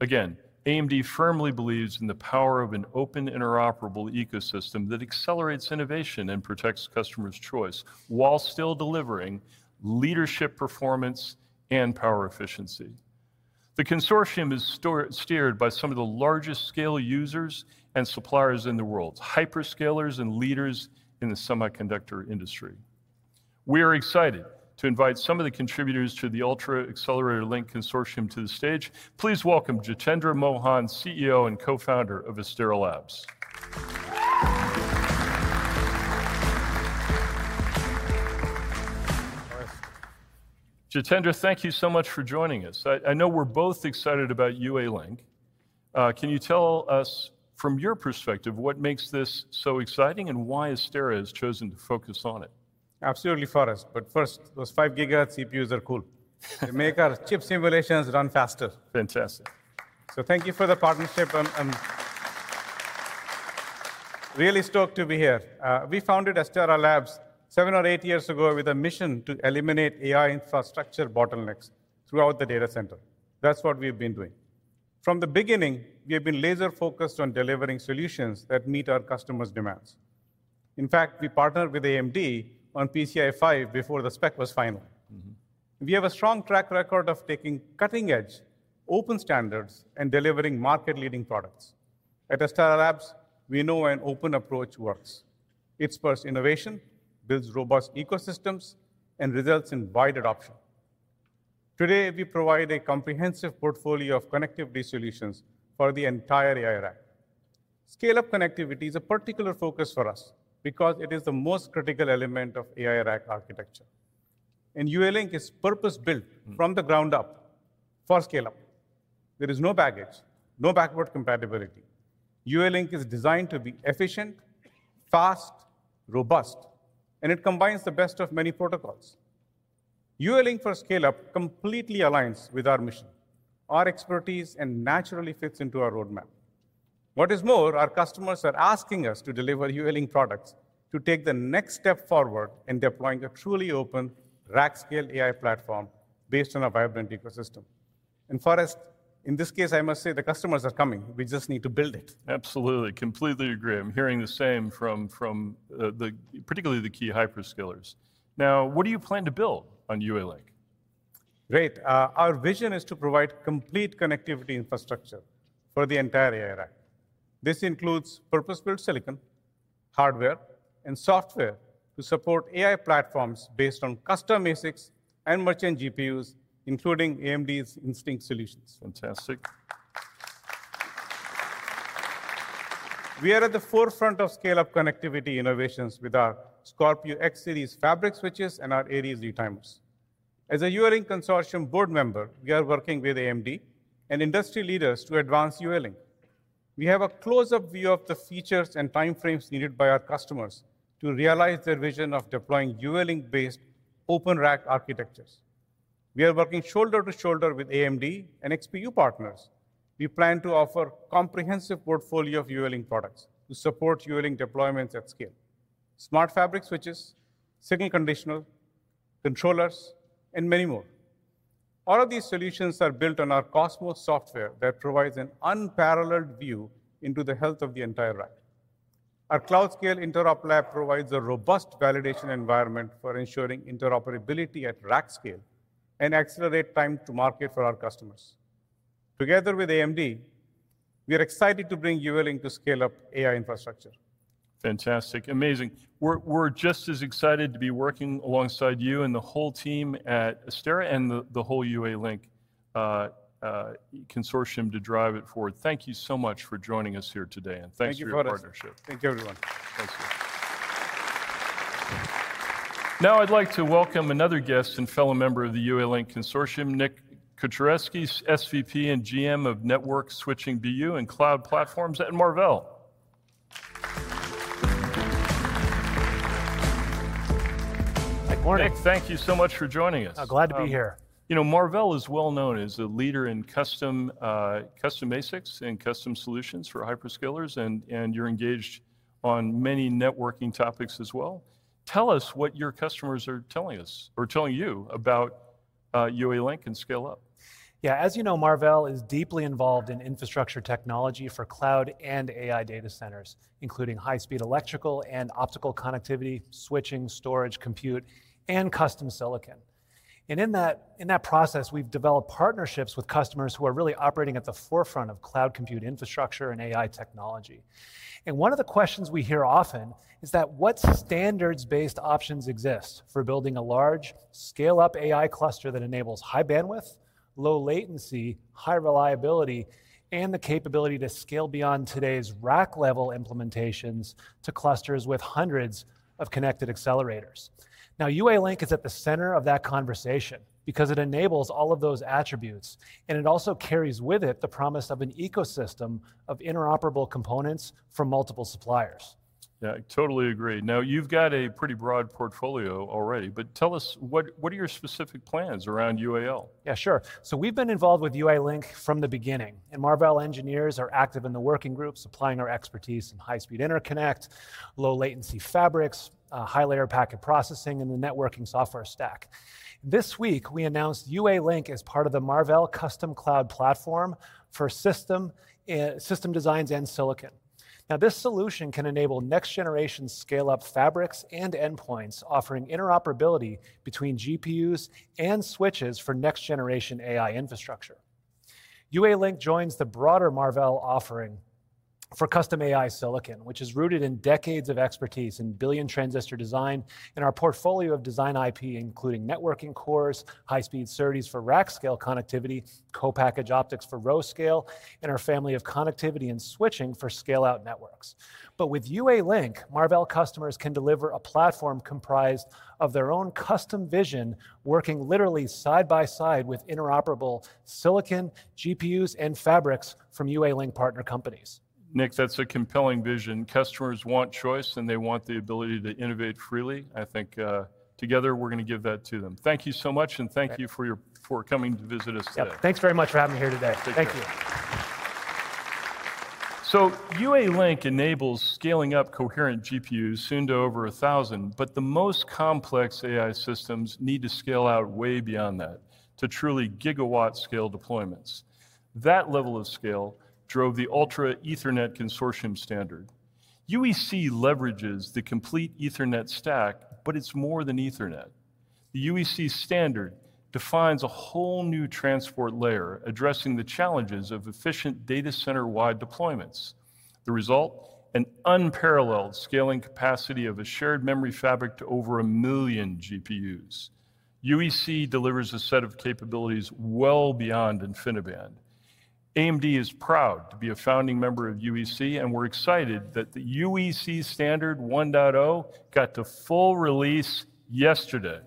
Again, AMD firmly believes in the power of an open interoperable ecosystem that accelerates innovation and protects customers' choice while still delivering leadership performance and power efficiency. The consortium is steered by some of the largest scale users and suppliers in the world, hyperscalers and leaders in the semiconductor industry. We are excited to invite some of the contributors to the Ultra Accelerator Link Consortium to the stage. Please welcome Jitendra Mohan, CEO and Co-Founder of Astera Labs. Jitendra, thank you so much for joining us. I know we're both excited about UALink. Can you tell us from your perspective what makes this so exciting and why Astera has chosen to focus on it? Absolutely, Forrest. First, those 5 GHz CPUs are cool. They make our chip simulations run faster. Fantastic. Thank you for the partnership. Really stoked to be here. We founded Astera Labs seven or eight years ago with a mission to eliminate AI infrastructure bottlenecks throughout the data center. That's what we've been doing. From the beginning, we have been laser-focused on delivering solutions that meet our customers' demands. In fact, we partnered with AMD on PCIe 5 before the spec was final. We have a strong track record of taking cutting-edge open standards and delivering market-leading products. At Astera Labs, we know an open approach works. It spurs innovation, builds robust ecosystems, and results in wide adoption. Today, we provide a comprehensive portfolio of connectivity solutions for the entire AI rack. Scale-up connectivity is a particular focus for us because it is the most critical element of AI rack architecture. UALink is purpose-built from the ground up for scale-up. There is no baggage, no backward compatibility. UALink is designed to be efficient, fast, robust, and it combines the best of many protocols. UALink for scale-up completely aligns with our mission, our expertise, and naturally fits into our roadmap. What is more, our customers are asking us to deliver UALink products to take the next step forward in deploying a truly open rack-scale AI platform based on a vibrant ecosystem. Forrest, in this case, I must say the customers are coming. We just need to build it. Absolutely. Completely agree. I'm hearing the same from particularly the key hyperscalers. Now, what do you plan to build on UALink? Great. Our vision is to provide complete connectivity infrastructure for the entire AI rack. This includes purpose-built silicon, hardware, and software to support AI platforms based on custom ASICs and merchant GPUs, including AMD's Instinct solutions. Fantastic. We are at the forefront of scale-up connectivity innovations with our Scorpio X-Series fabric switches and our Aries retimers. As a UALink Consortium board member, we are working with AMD and industry leaders to advance UALink. We have a close-up view of the features and timeframes needed by our customers to realize their vision of deploying UALink-based open rack architectures. We are working shoulder to shoulder with AMD and XPU partners. We plan to offer a comprehensive portfolio of UALink products to support UALink deployments at scale: smart fabric switches, signal conditional controllers, and many more. All of these solutions are built on our Cosmos software that provides an unparalleled view into the health of the entire rack. Our cloud-scale interop lab provides a robust validation environment for ensuring interoperability at rack scale and accelerates time to market for our customers. Together with AMD, we are excited to bring UALink to scale-up AI infrastructure. Fantastic. Amazing. We're just as excited to be working alongside you and the whole team at Astera and the whole UALink Consortium to drive it forward. Thank you so much for joining us here today. Thank you for the partnership. Thank you, Forrest. Thank you, everyone. Thank you. Now, I'd like to welcome another guest and fellow member of the UALink Consortium, Nick Kucharewski, SVP and GM of Network Switching BU and Cloud Platforms at Marvell. Nick, thank you so much for joining us. Glad to be here. You know, Marvell is well known as a leader in custom ASICs and custom solutions for hyperscalers, and you're engaged on many networking topics as well. Tell us what your customers are telling us or telling you about UALink and scale-up. Yeah, as you know, Marvell is deeply involved in infrastructure technology for cloud and AI data centers, including high-speed electrical and optical connectivity, switching, storage, compute, and custom silicon. In that process, we've developed partnerships with customers who are really operating at the forefront of cloud compute infrastructure and AI technology. One of the questions we hear often is what standards-based options exist for building a large scale-up AI cluster that enables high bandwidth, low latency, high reliability, and the capability to scale beyond today's rack-level implementations to clusters with hundreds of connected accelerators. UALink is at the center of that conversation because it enables all of those attributes, and it also carries with it the promise of an ecosystem of interoperable components from multiple suppliers. Yeah, I totally agree. Now, you've got a pretty broad portfolio already, but tell us, what are your specific plans around UALink? Yeah, sure. So we've been involved with UALink from the beginning, and Marvell engineers are active in the working groups applying our expertise in high-speed interconnect, low-latency fabrics, high-layer packet processing, and the networking software stack. This week, we announced UALink as part of the Marvell Custom Cloud Platform for system designs and silicon. Now, this solution can enable next-generation scale-up fabrics and endpoints, offering interoperability between GPUs and switches for next-generation AI infrastructure. UALink joins the broader Marvell offering for custom AI silicon, which is rooted in decades of expertise in billion transistor design and our portfolio of design IP, including networking cores, high-speed Ceres for rack scale connectivity, co-package optics for row scale, and our family of connectivity and switching for scale-out networks. With UALink, Marvell customers can deliver a platform comprised of their own custom vision, working literally side by side with interoperable silicon, GPUs, and fabrics from UALink partner companies. Nick, that's a compelling vision. Customers want choice, and they want the ability to innovate freely. I think together we're going to give that to them. Thank you so much, and thank you for coming to visit us today. Thanks very much for having me here today. Thank you. UALink enables scaling up coherent GPUs soon to over 1,000, but the most complex AI systems need to scale out way beyond that to truly gigawatt scale deployments. That level of scale drove the Ultra Ethernet Consortium standard. UEC leverages the complete Ethernet stack, but it's more than Ethernet. The UEC standard defines a whole new transport layer addressing the challenges of efficient data center-wide deployments. The result? An unparalleled scaling capacity of a shared memory fabric to over a million GPUs. UEC delivers a set of capabilities well beyond InfiniBand. AMD is proud to be a founding member of UEC, and we are excited that the UEC standard 1.0 got to full release yesterday.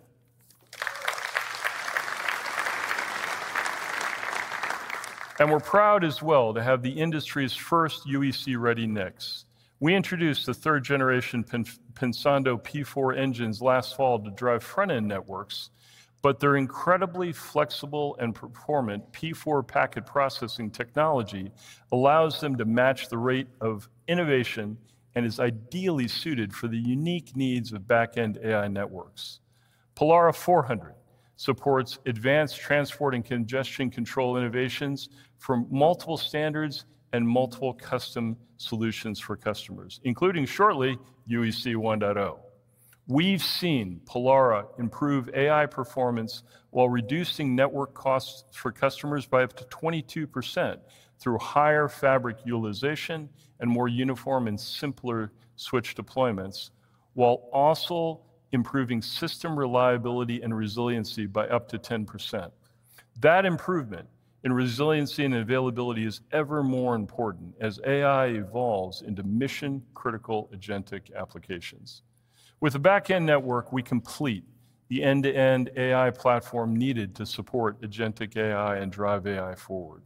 We are proud as well to have the industry's first UEC-ready NICs. We introduced the third-generation Pensando P4 engines last fall to drive front-end networks, but their incredibly flexible and performant P4 packet processing technology allows them to match the rate of innovation and is ideally suited for the unique needs of back-end AI networks. Pollara 400 supports advanced transport and congestion control innovations from multiple standards and multiple custom solutions for customers, including shortly UEC 1.0. We've seen Pollara improve AI performance while reducing network costs for customers by up to 22% through higher fabric utilization and more uniform and simpler switch deployments, while also improving system reliability and resiliency by up to 10%. That improvement in resiliency and availability is ever more important as AI evolves into mission-critical agentic applications. With a back-end network, we complete the end-to-end AI platform needed to support agentic AI and drive AI forward.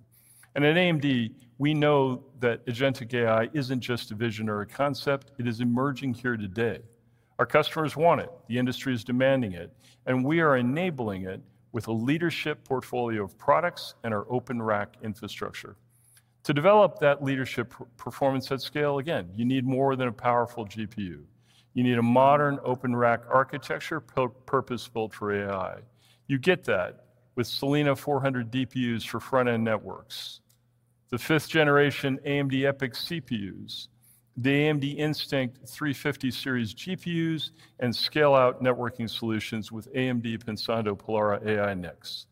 At AMD, we know that agentic AI isn't just a vision or a concept. It is emerging here today. Our customers want it. The industry is demanding it, and we are enabling it with a leadership portfolio of products and our open rack infrastructure. To develop that leadership performance at scale, again, you need more than a powerful GPU. You need a modern open rack architecture purpose-built for AI. You get that with Salina 400 DPUs for front-end networks, the fifth-generation AMD EPYC CPUs, the AMD Instinct 350 series GPUs, and scale-out networking solutions with AMD Pensando Pollara AI NICs,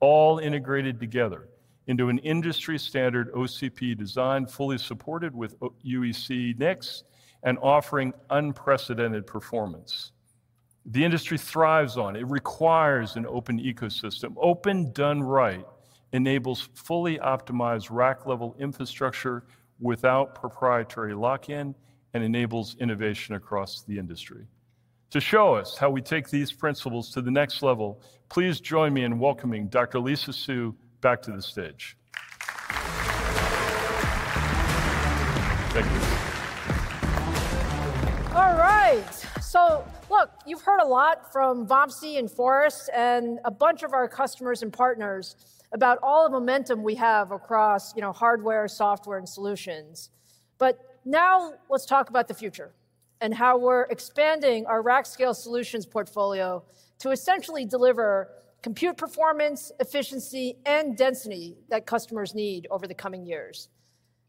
all integrated together into an industry-standard OCP design fully supported with UEC NICs and offering unprecedented performance. The industry thrives on it. It requires an open ecosystem. Open done right enables fully optimized rack-level infrastructure without proprietary lock-in and enables innovation across the industry. To show us how we take these principles to the next level, please join me in welcoming Dr. Lisa Su back to the stage. Thank you. All right. Look, you've heard a lot from Vamsi and Forrest and a bunch of our customers and partners about all the momentum we have across hardware, software, and solutions. Now let's talk about the future and how we're expanding our rack scale solutions portfolio to essentially deliver compute performance, efficiency, and density that customers need over the coming years.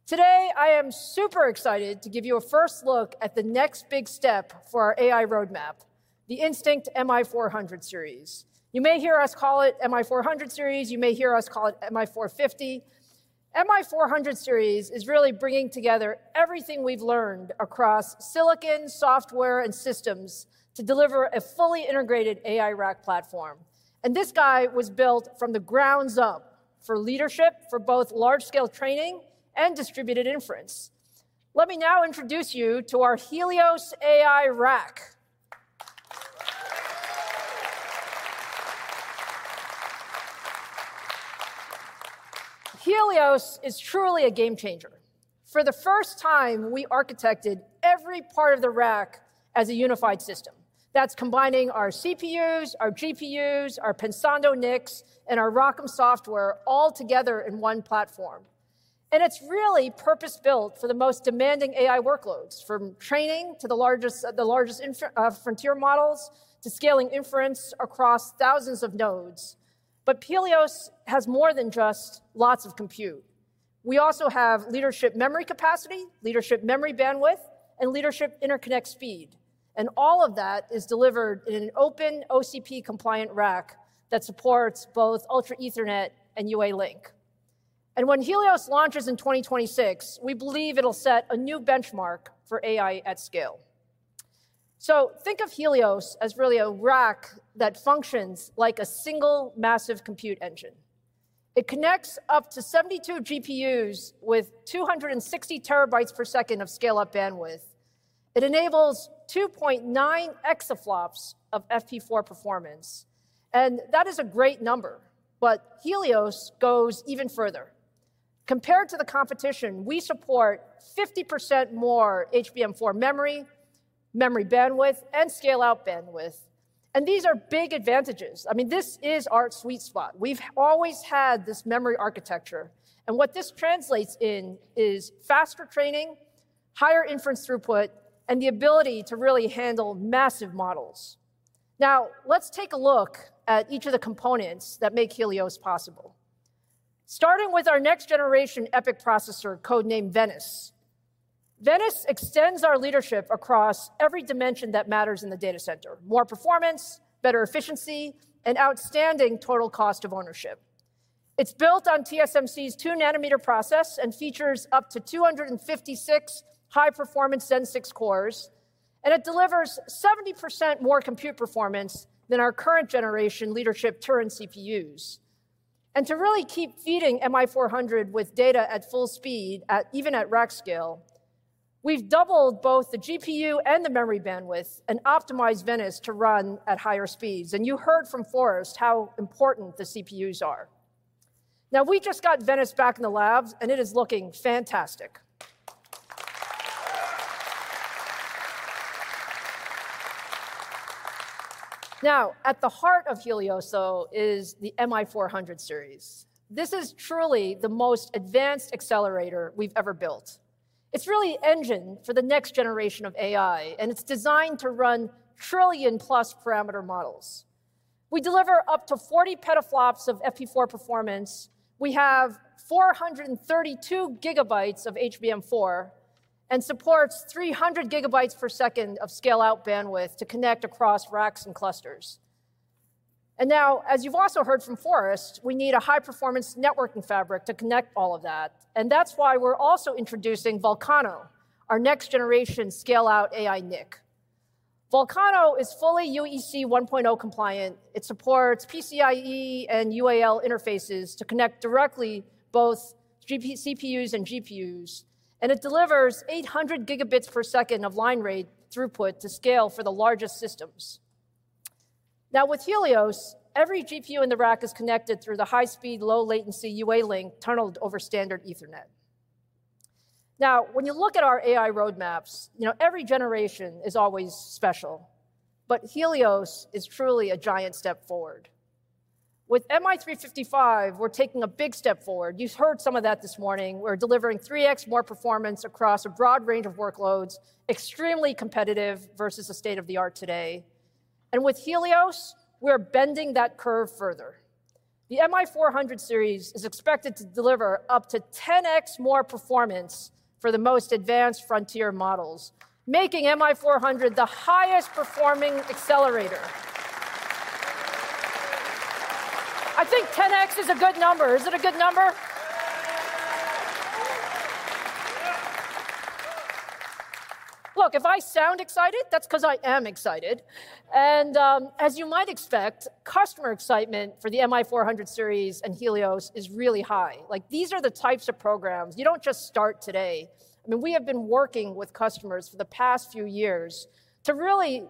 Today, I am super excited to give you a first look at the next big step for our AI roadmap, the Instinct MI400 series. You may hear us call it MI400 series. You may hear us call it MI450. MI400 series is really bringing together everything we've learned across silicon, software, and systems to deliver a fully integrated AI rack platform. And this guy was built from the ground up for leadership for both large-scale training and distributed inference. Let me now introduce you to our Helios AI rack. Helios is truly a game changer. For the first time, we architected every part of the rack as a unified system that's combining our CPUs, our GPUs, our Pensando NICs, and our ROCm software all together in one platform. It is really purpose-built for the most demanding AI workloads, from training to the largest frontier models to scaling inference across thousands of nodes. Helios has more than just lots of compute. We also have leadership memory capacity, leadership memory bandwidth, and leadership interconnect speed. All of that is delivered in an open OCP-compliant rack that supports both ultra Ethernet and UALink. When Helios launches in 2026, we believe it'll set a new benchmark for AI at scale. Think of Helios as really a rack that functions like a single massive compute engine. It connects up to 72 GPUs with 260 TB per second of scale-up bandwidth. It enables 2.9 exaflops of FP4 performance. That is a great number, but Helios goes even further. Compared to the competition, we support 50% more HBM4 memory, memory bandwidth, and scale-out bandwidth. These are big advantages. I mean, this is our sweet spot. We've always had this memory architecture. What this translates in is faster training, higher inference throughput, and the ability to really handle massive models. Now, let's take a look at each of the components that make Helios possible. Starting with our next-generation EPYC processor codenamed Venice. Venice extends our leadership across every dimension that matters in the data center: more performance, better efficiency, and outstanding total cost of ownership. It's built on TSMC's two-nanometer process and features up to 256 high-performance Zen 6 cores. It delivers 70% more compute performance than our current generation leadership Turin CPUs. To really keep feeding MI400 with data at full speed, even at rack scale, we've doubled both the GPU and the memory bandwidth and optimized Venice to run at higher speeds. You heard from Forrest how important the CPUs are. Now, we just got Venice back in the lab, and it is looking fantastic. At the heart of Helios, though, is the MI400 series. This is truly the most advanced accelerator we've ever built. It's really engined for the next generation of AI, and it's designed to run trillion-plus parameter models. We deliver up to 40 petaflops of FP4 performance. We have 432 GB of HBM4 and support 300 GB per second of scale-out bandwidth to connect across racks and clusters. As you've also heard from Forrest, we need a high-performance networking fabric to connect all of that. That is why we are also introducing Vulcano, our next-generation scale-out AI NIC. Vulcano is fully UEC 1.0 compliant. It supports PCIe and UALink interfaces to connect directly both CPUs and GPUs. It delivers 800 gigabits per second of line rate throughput to scale for the largest systems. Now, with Helios, every GPU in the rack is connected through the high-speed, low-latency UALink tunneled over standard Ethernet. When you look at our AI roadmaps, every generation is always special, but Helios is truly a giant step forward. With MI355, we are taking a big step forward. You have heard some of that this morning. We are delivering 3x more performance across a broad range of workloads, extremely competitive versus a state of the art today. With Helios, we are bending that curve further. The MI400 series is expected to deliver up to 10x more performance for the most advanced frontier models, making MI400 the highest performing accelerator. I think 10x is a good number. Is it a good number? Look, if I sound excited, that's because I am excited. As you might expect, customer excitement for the MI400 series and Helios is really high. These are the types of programs you don't just start today. I mean, we have been working with customers for the past few years to really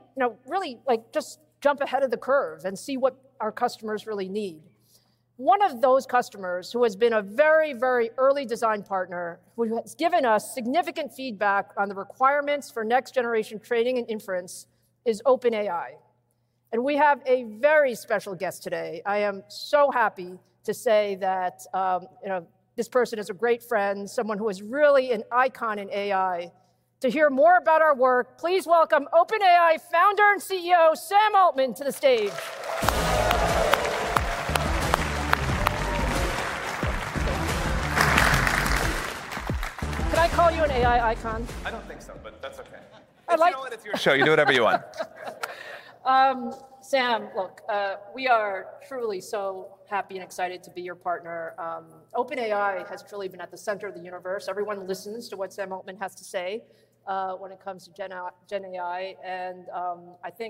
just jump ahead of the curve and see what our customers really need. One of those customers who has been a very, very early design partner, who has given us significant feedback on the requirements for next-generation training and inference, is OpenAI. We have a very special guest today. I am so happy to say that this person is a great friend, someone who is really an icon in AI. To hear more about our work, please welcome OpenAI Founder and CEO, Sam Altman, to the stage. Can I call you an AI icon? I don't think so, but that's okay. I like it. You know what, it's your show. You do whatever you want. Sam, look, we are truly so happy and excited to be your partner. OpenAI has truly been at the center of the universe. Everyone listens to what Sam Altman has to say when it comes to GenAI.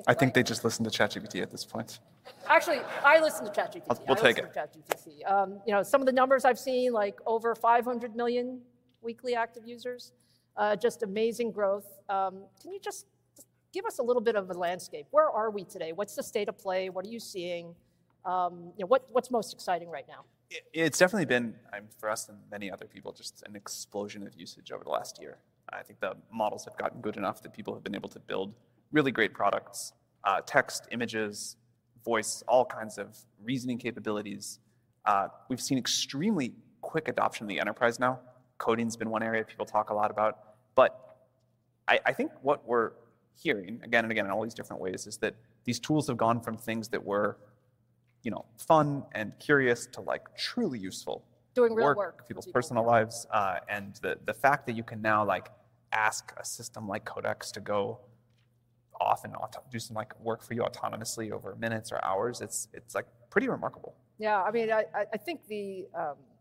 I think they just listen to ChatGPT at this point. Actually, I listen to ChatGPT. We'll take it. Some of the numbers I've seen, like over 500 million weekly active users, just amazing growth. Can you just give us a little bit of a landscape? Where are we today? What's the state of play? What are you seeing? What's most exciting right now? It's definitely been, for us and many other people, just an explosion of usage over the last year. I think the models have gotten good enough that people have been able to build really great products: text, images, voice, all kinds of reasoning capabilities. We've seen extremely quick adoption of the enterprise now. Coding has been one area people talk a lot about. I think what we're hearing again and again in all these different ways is that these tools have gone from things that were fun and curious to truly useful work in people's personal lives. The fact that you can now ask a system like Codex to go off and do some work for you autonomously over minutes or hours, it's pretty remarkable. Yeah. I mean, I think the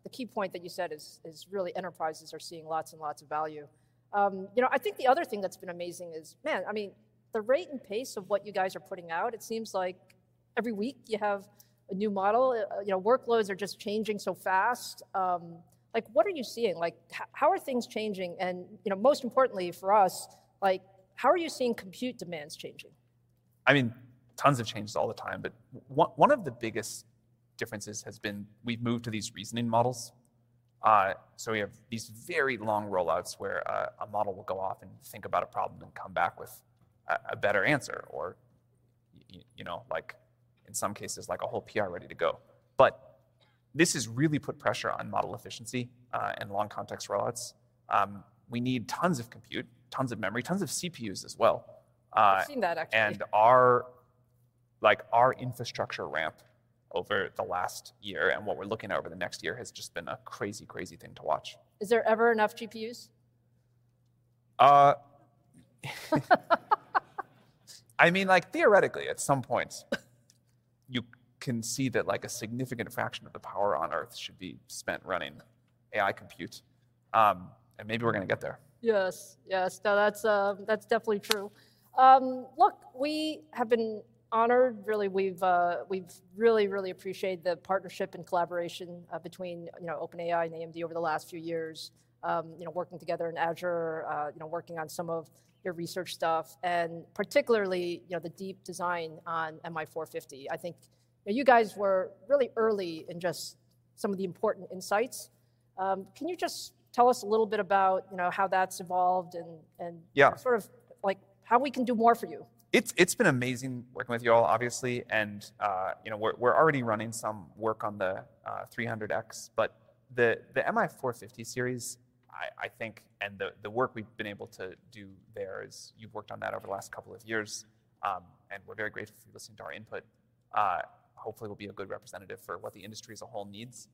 key point that you said is really enterprises are seeing lots and lots of value. I think the other thing that's been amazing is, man, I mean, the rate and pace of what you guys are putting out, it seems like every week you have a new model. Workloads are just changing so fast. What are you seeing? How are things changing? And most importantly for us, how are you seeing compute demands changing? I mean, tons of changes all the time. One of the biggest differences has been we've moved to these reasoning models. We have these very long rollouts where a model will go off and think about a problem and come back with a better answer, or in some cases, like a whole PR ready to go. This has really put pressure on model efficiency and long context rollouts. We need tons of compute, tons of memory, tons of CPUs as well. I've seen that, actually. Our infrastructure ramp over the last year and what we're looking at over the next year has just been a crazy, crazy thing to watch. Is there ever enough GPUs? I mean, theoretically, at some point, you can see that a significant fraction of the power on Earth should be spent running AI compute. Maybe we're going to get there. Yes, yes. That's definitely true. Look, we have been honored. Really, we've really appreciated the partnership and collaboration between OpenAI and AMD over the last few years, working together in Azure, working on some of your research stuff, and particularly the deep design on MI450. I think you guys were really early in just some of the important insights. Can you just tell us a little bit about how that's evolved and sort of how we can do more for you? It's been amazing working with you all, obviously. We're already running some work on the 300X. The MI450 series, I think, and the work we've been able to do there, is you've worked on that over the last couple of years. We're very grateful for listening to our input. Hopefully, it will be a good representative for what the industry as a whole needs.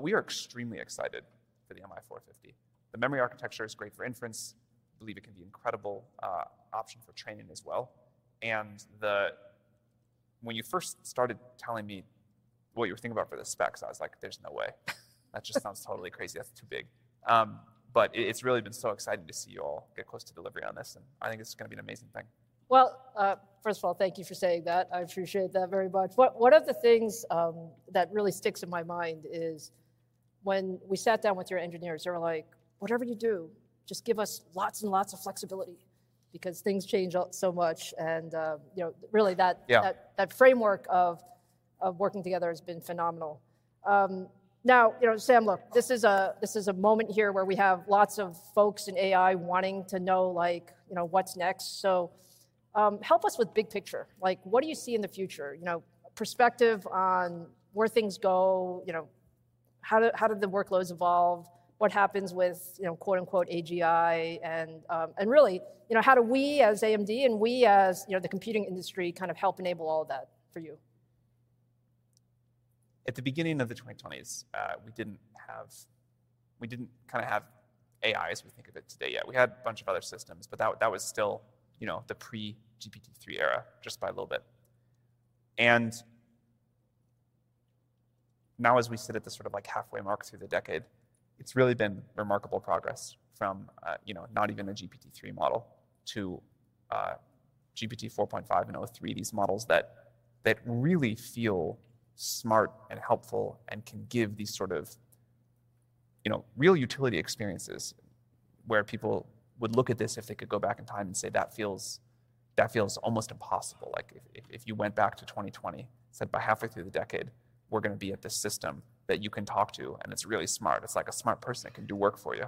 We are extremely excited for the MI450. The memory architecture is great for inference. I believe it can be an incredible option for training as well. When you first started telling me what you were thinking about for the specs, I was like, there's no way. That just sounds totally crazy. That's too big. It has really been so exciting to see you all get close to delivery on this. I think it's going to be an amazing thing. First of all, thank you for saying that. I appreciate that very much. One of the things that really sticks in my mind is when we sat down with your engineers, they were like, whatever you do, just give us lots and lots of flexibility because things change so much. That framework of working together has been phenomenal. Now, Sam, look, this is a moment here where we have lots of folks in AI wanting to know what's next. Help us with big picture. What do you see in the future? Perspective on where things go, how did the workloads evolve, what happens with, quote unquote, AGI, and really, how do we as AMD and we as the computing industry kind of help enable all of that for you? At the beginning of the 2020s, we didn't kind of have AI as we think of it today yet. We had a bunch of other systems, but that was still the pre-GPT-3 era, just by a little bit. As we sit at this sort of halfway mark through the decade, it's really been remarkable progress from not even a GPT-3 model to GPT-4.5 and o3, these models that really feel smart and helpful and can give these sort of real utility experiences where people would look at this if they could go back in time and say, that feels almost impossible. If you went back to 2020, said by halfway through the decade, we're going to be at this system that you can talk to, and it's really smart. It's like a smart person that can do work for you.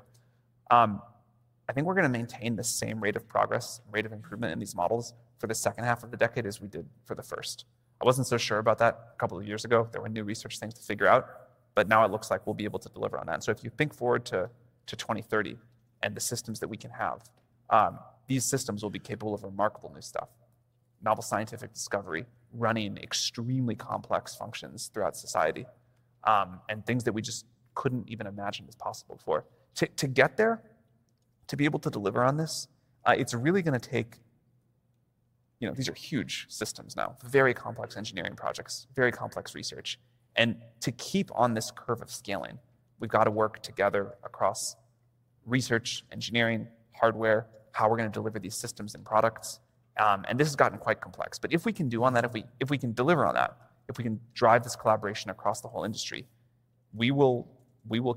I think we're going to maintain the same rate of progress, rate of improvement in these models for the second half of the decade as we did for the first. I wasn't so sure about that a couple of years ago. There were new research things to figure out. Now it looks like we'll be able to deliver on that. If you think forward to 2030 and the systems that we can have, these systems will be capable of remarkable new stuff, novel scientific discovery, running extremely complex functions throughout society, and things that we just couldn't even imagine as possible for. To get there, to be able to deliver on this, it's really going to take these are huge systems now, very complex engineering projects, very complex research. To keep on this curve of scaling, we've got to work together across research, engineering, hardware, how we're going to deliver these systems and products. This has gotten quite complex. If we can deliver on that, if we can drive this collaboration across the whole industry, we will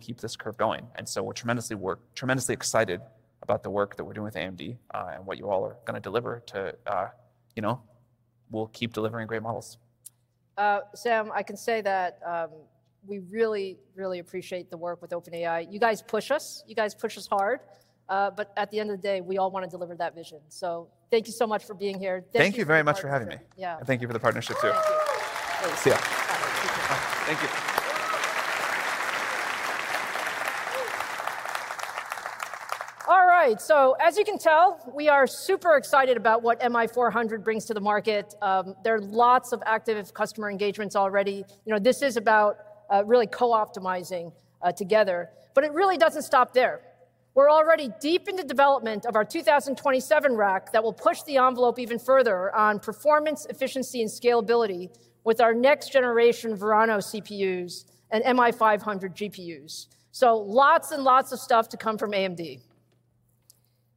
keep this curve going. We are tremendously excited about the work that we are doing with AMD and what you all are going to deliver. We will keep delivering great models. Sam, I can say that we really, really appreciate the work with OpenAI. You guys push us. You guys push us hard. At the end of the day, we all want to deliver that vision. Thank you so much for being here. Thank you very much for having me. Yeah. Thank you for the partnership, too. Thank you. See you. Thank you. All right. As you can tell, we are super excited about what MI400 brings to the market. There are lots of active customer engagements already. This is about really co-optimizing together. It really doesn't stop there. We're already deep in the development of our 2027 rack that will push the envelope even further on performance, efficiency, and scalability with our next-generation EPYC CPUs and MI500 GPUs. Lots and lots of stuff to come from AMD.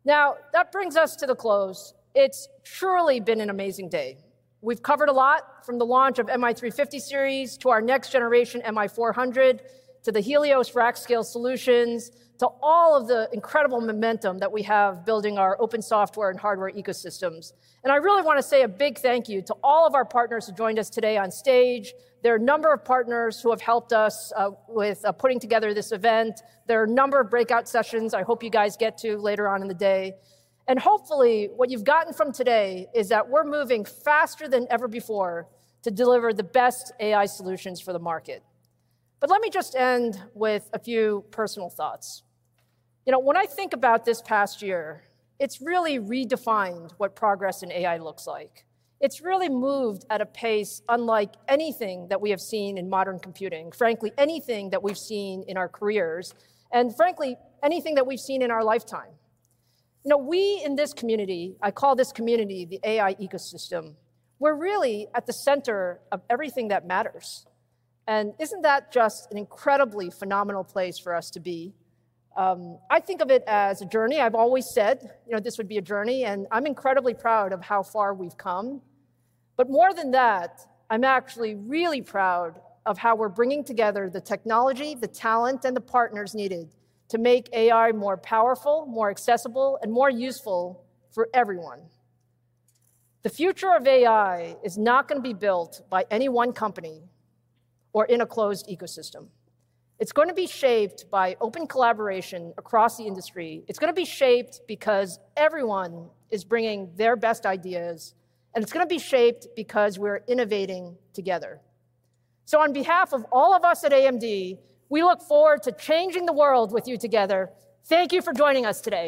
That brings us to the close. It's truly been an amazing day. We've covered a lot from the launch of MI350 series to our next-generation MI400 to the Helios rack scale solutions to all of the incredible momentum that we have building our open software and hardware ecosystems. I really want to say a big thank you to all of our partners who joined us today on stage. There are a number of partners who have helped us with putting together this event. There are a number of breakout sessions I hope you guys get to later on in the day. Hopefully, what you've gotten from today is that we're moving faster than ever before to deliver the best AI solutions for the market. Let me just end with a few personal thoughts. When I think about this past year, it's really redefined what progress in AI looks like. It's really moved at a pace unlike anything that we have seen in modern computing, frankly, anything that we've seen in our careers, and frankly, anything that we've seen in our lifetime. We, in this community, I call this community the AI ecosystem, we're really at the center of everything that matters. Isn't that just an incredibly phenomenal place for us to be? I think of it as a journey. I've always said this would be a journey. I'm incredibly proud of how far we've come. More than that, I'm actually really proud of how we're bringing together the technology, the talent, and the partners needed to make AI more powerful, more accessible, and more useful for everyone. The future of AI is not going to be built by any one company or in a closed ecosystem. It is going to be shaped by open collaboration across the industry. It is going to be shaped because everyone is bringing their best ideas. It is going to be shaped because we're innovating together. On behalf of all of us at AMD, we look forward to changing the world with you together. Thank you for joining us today.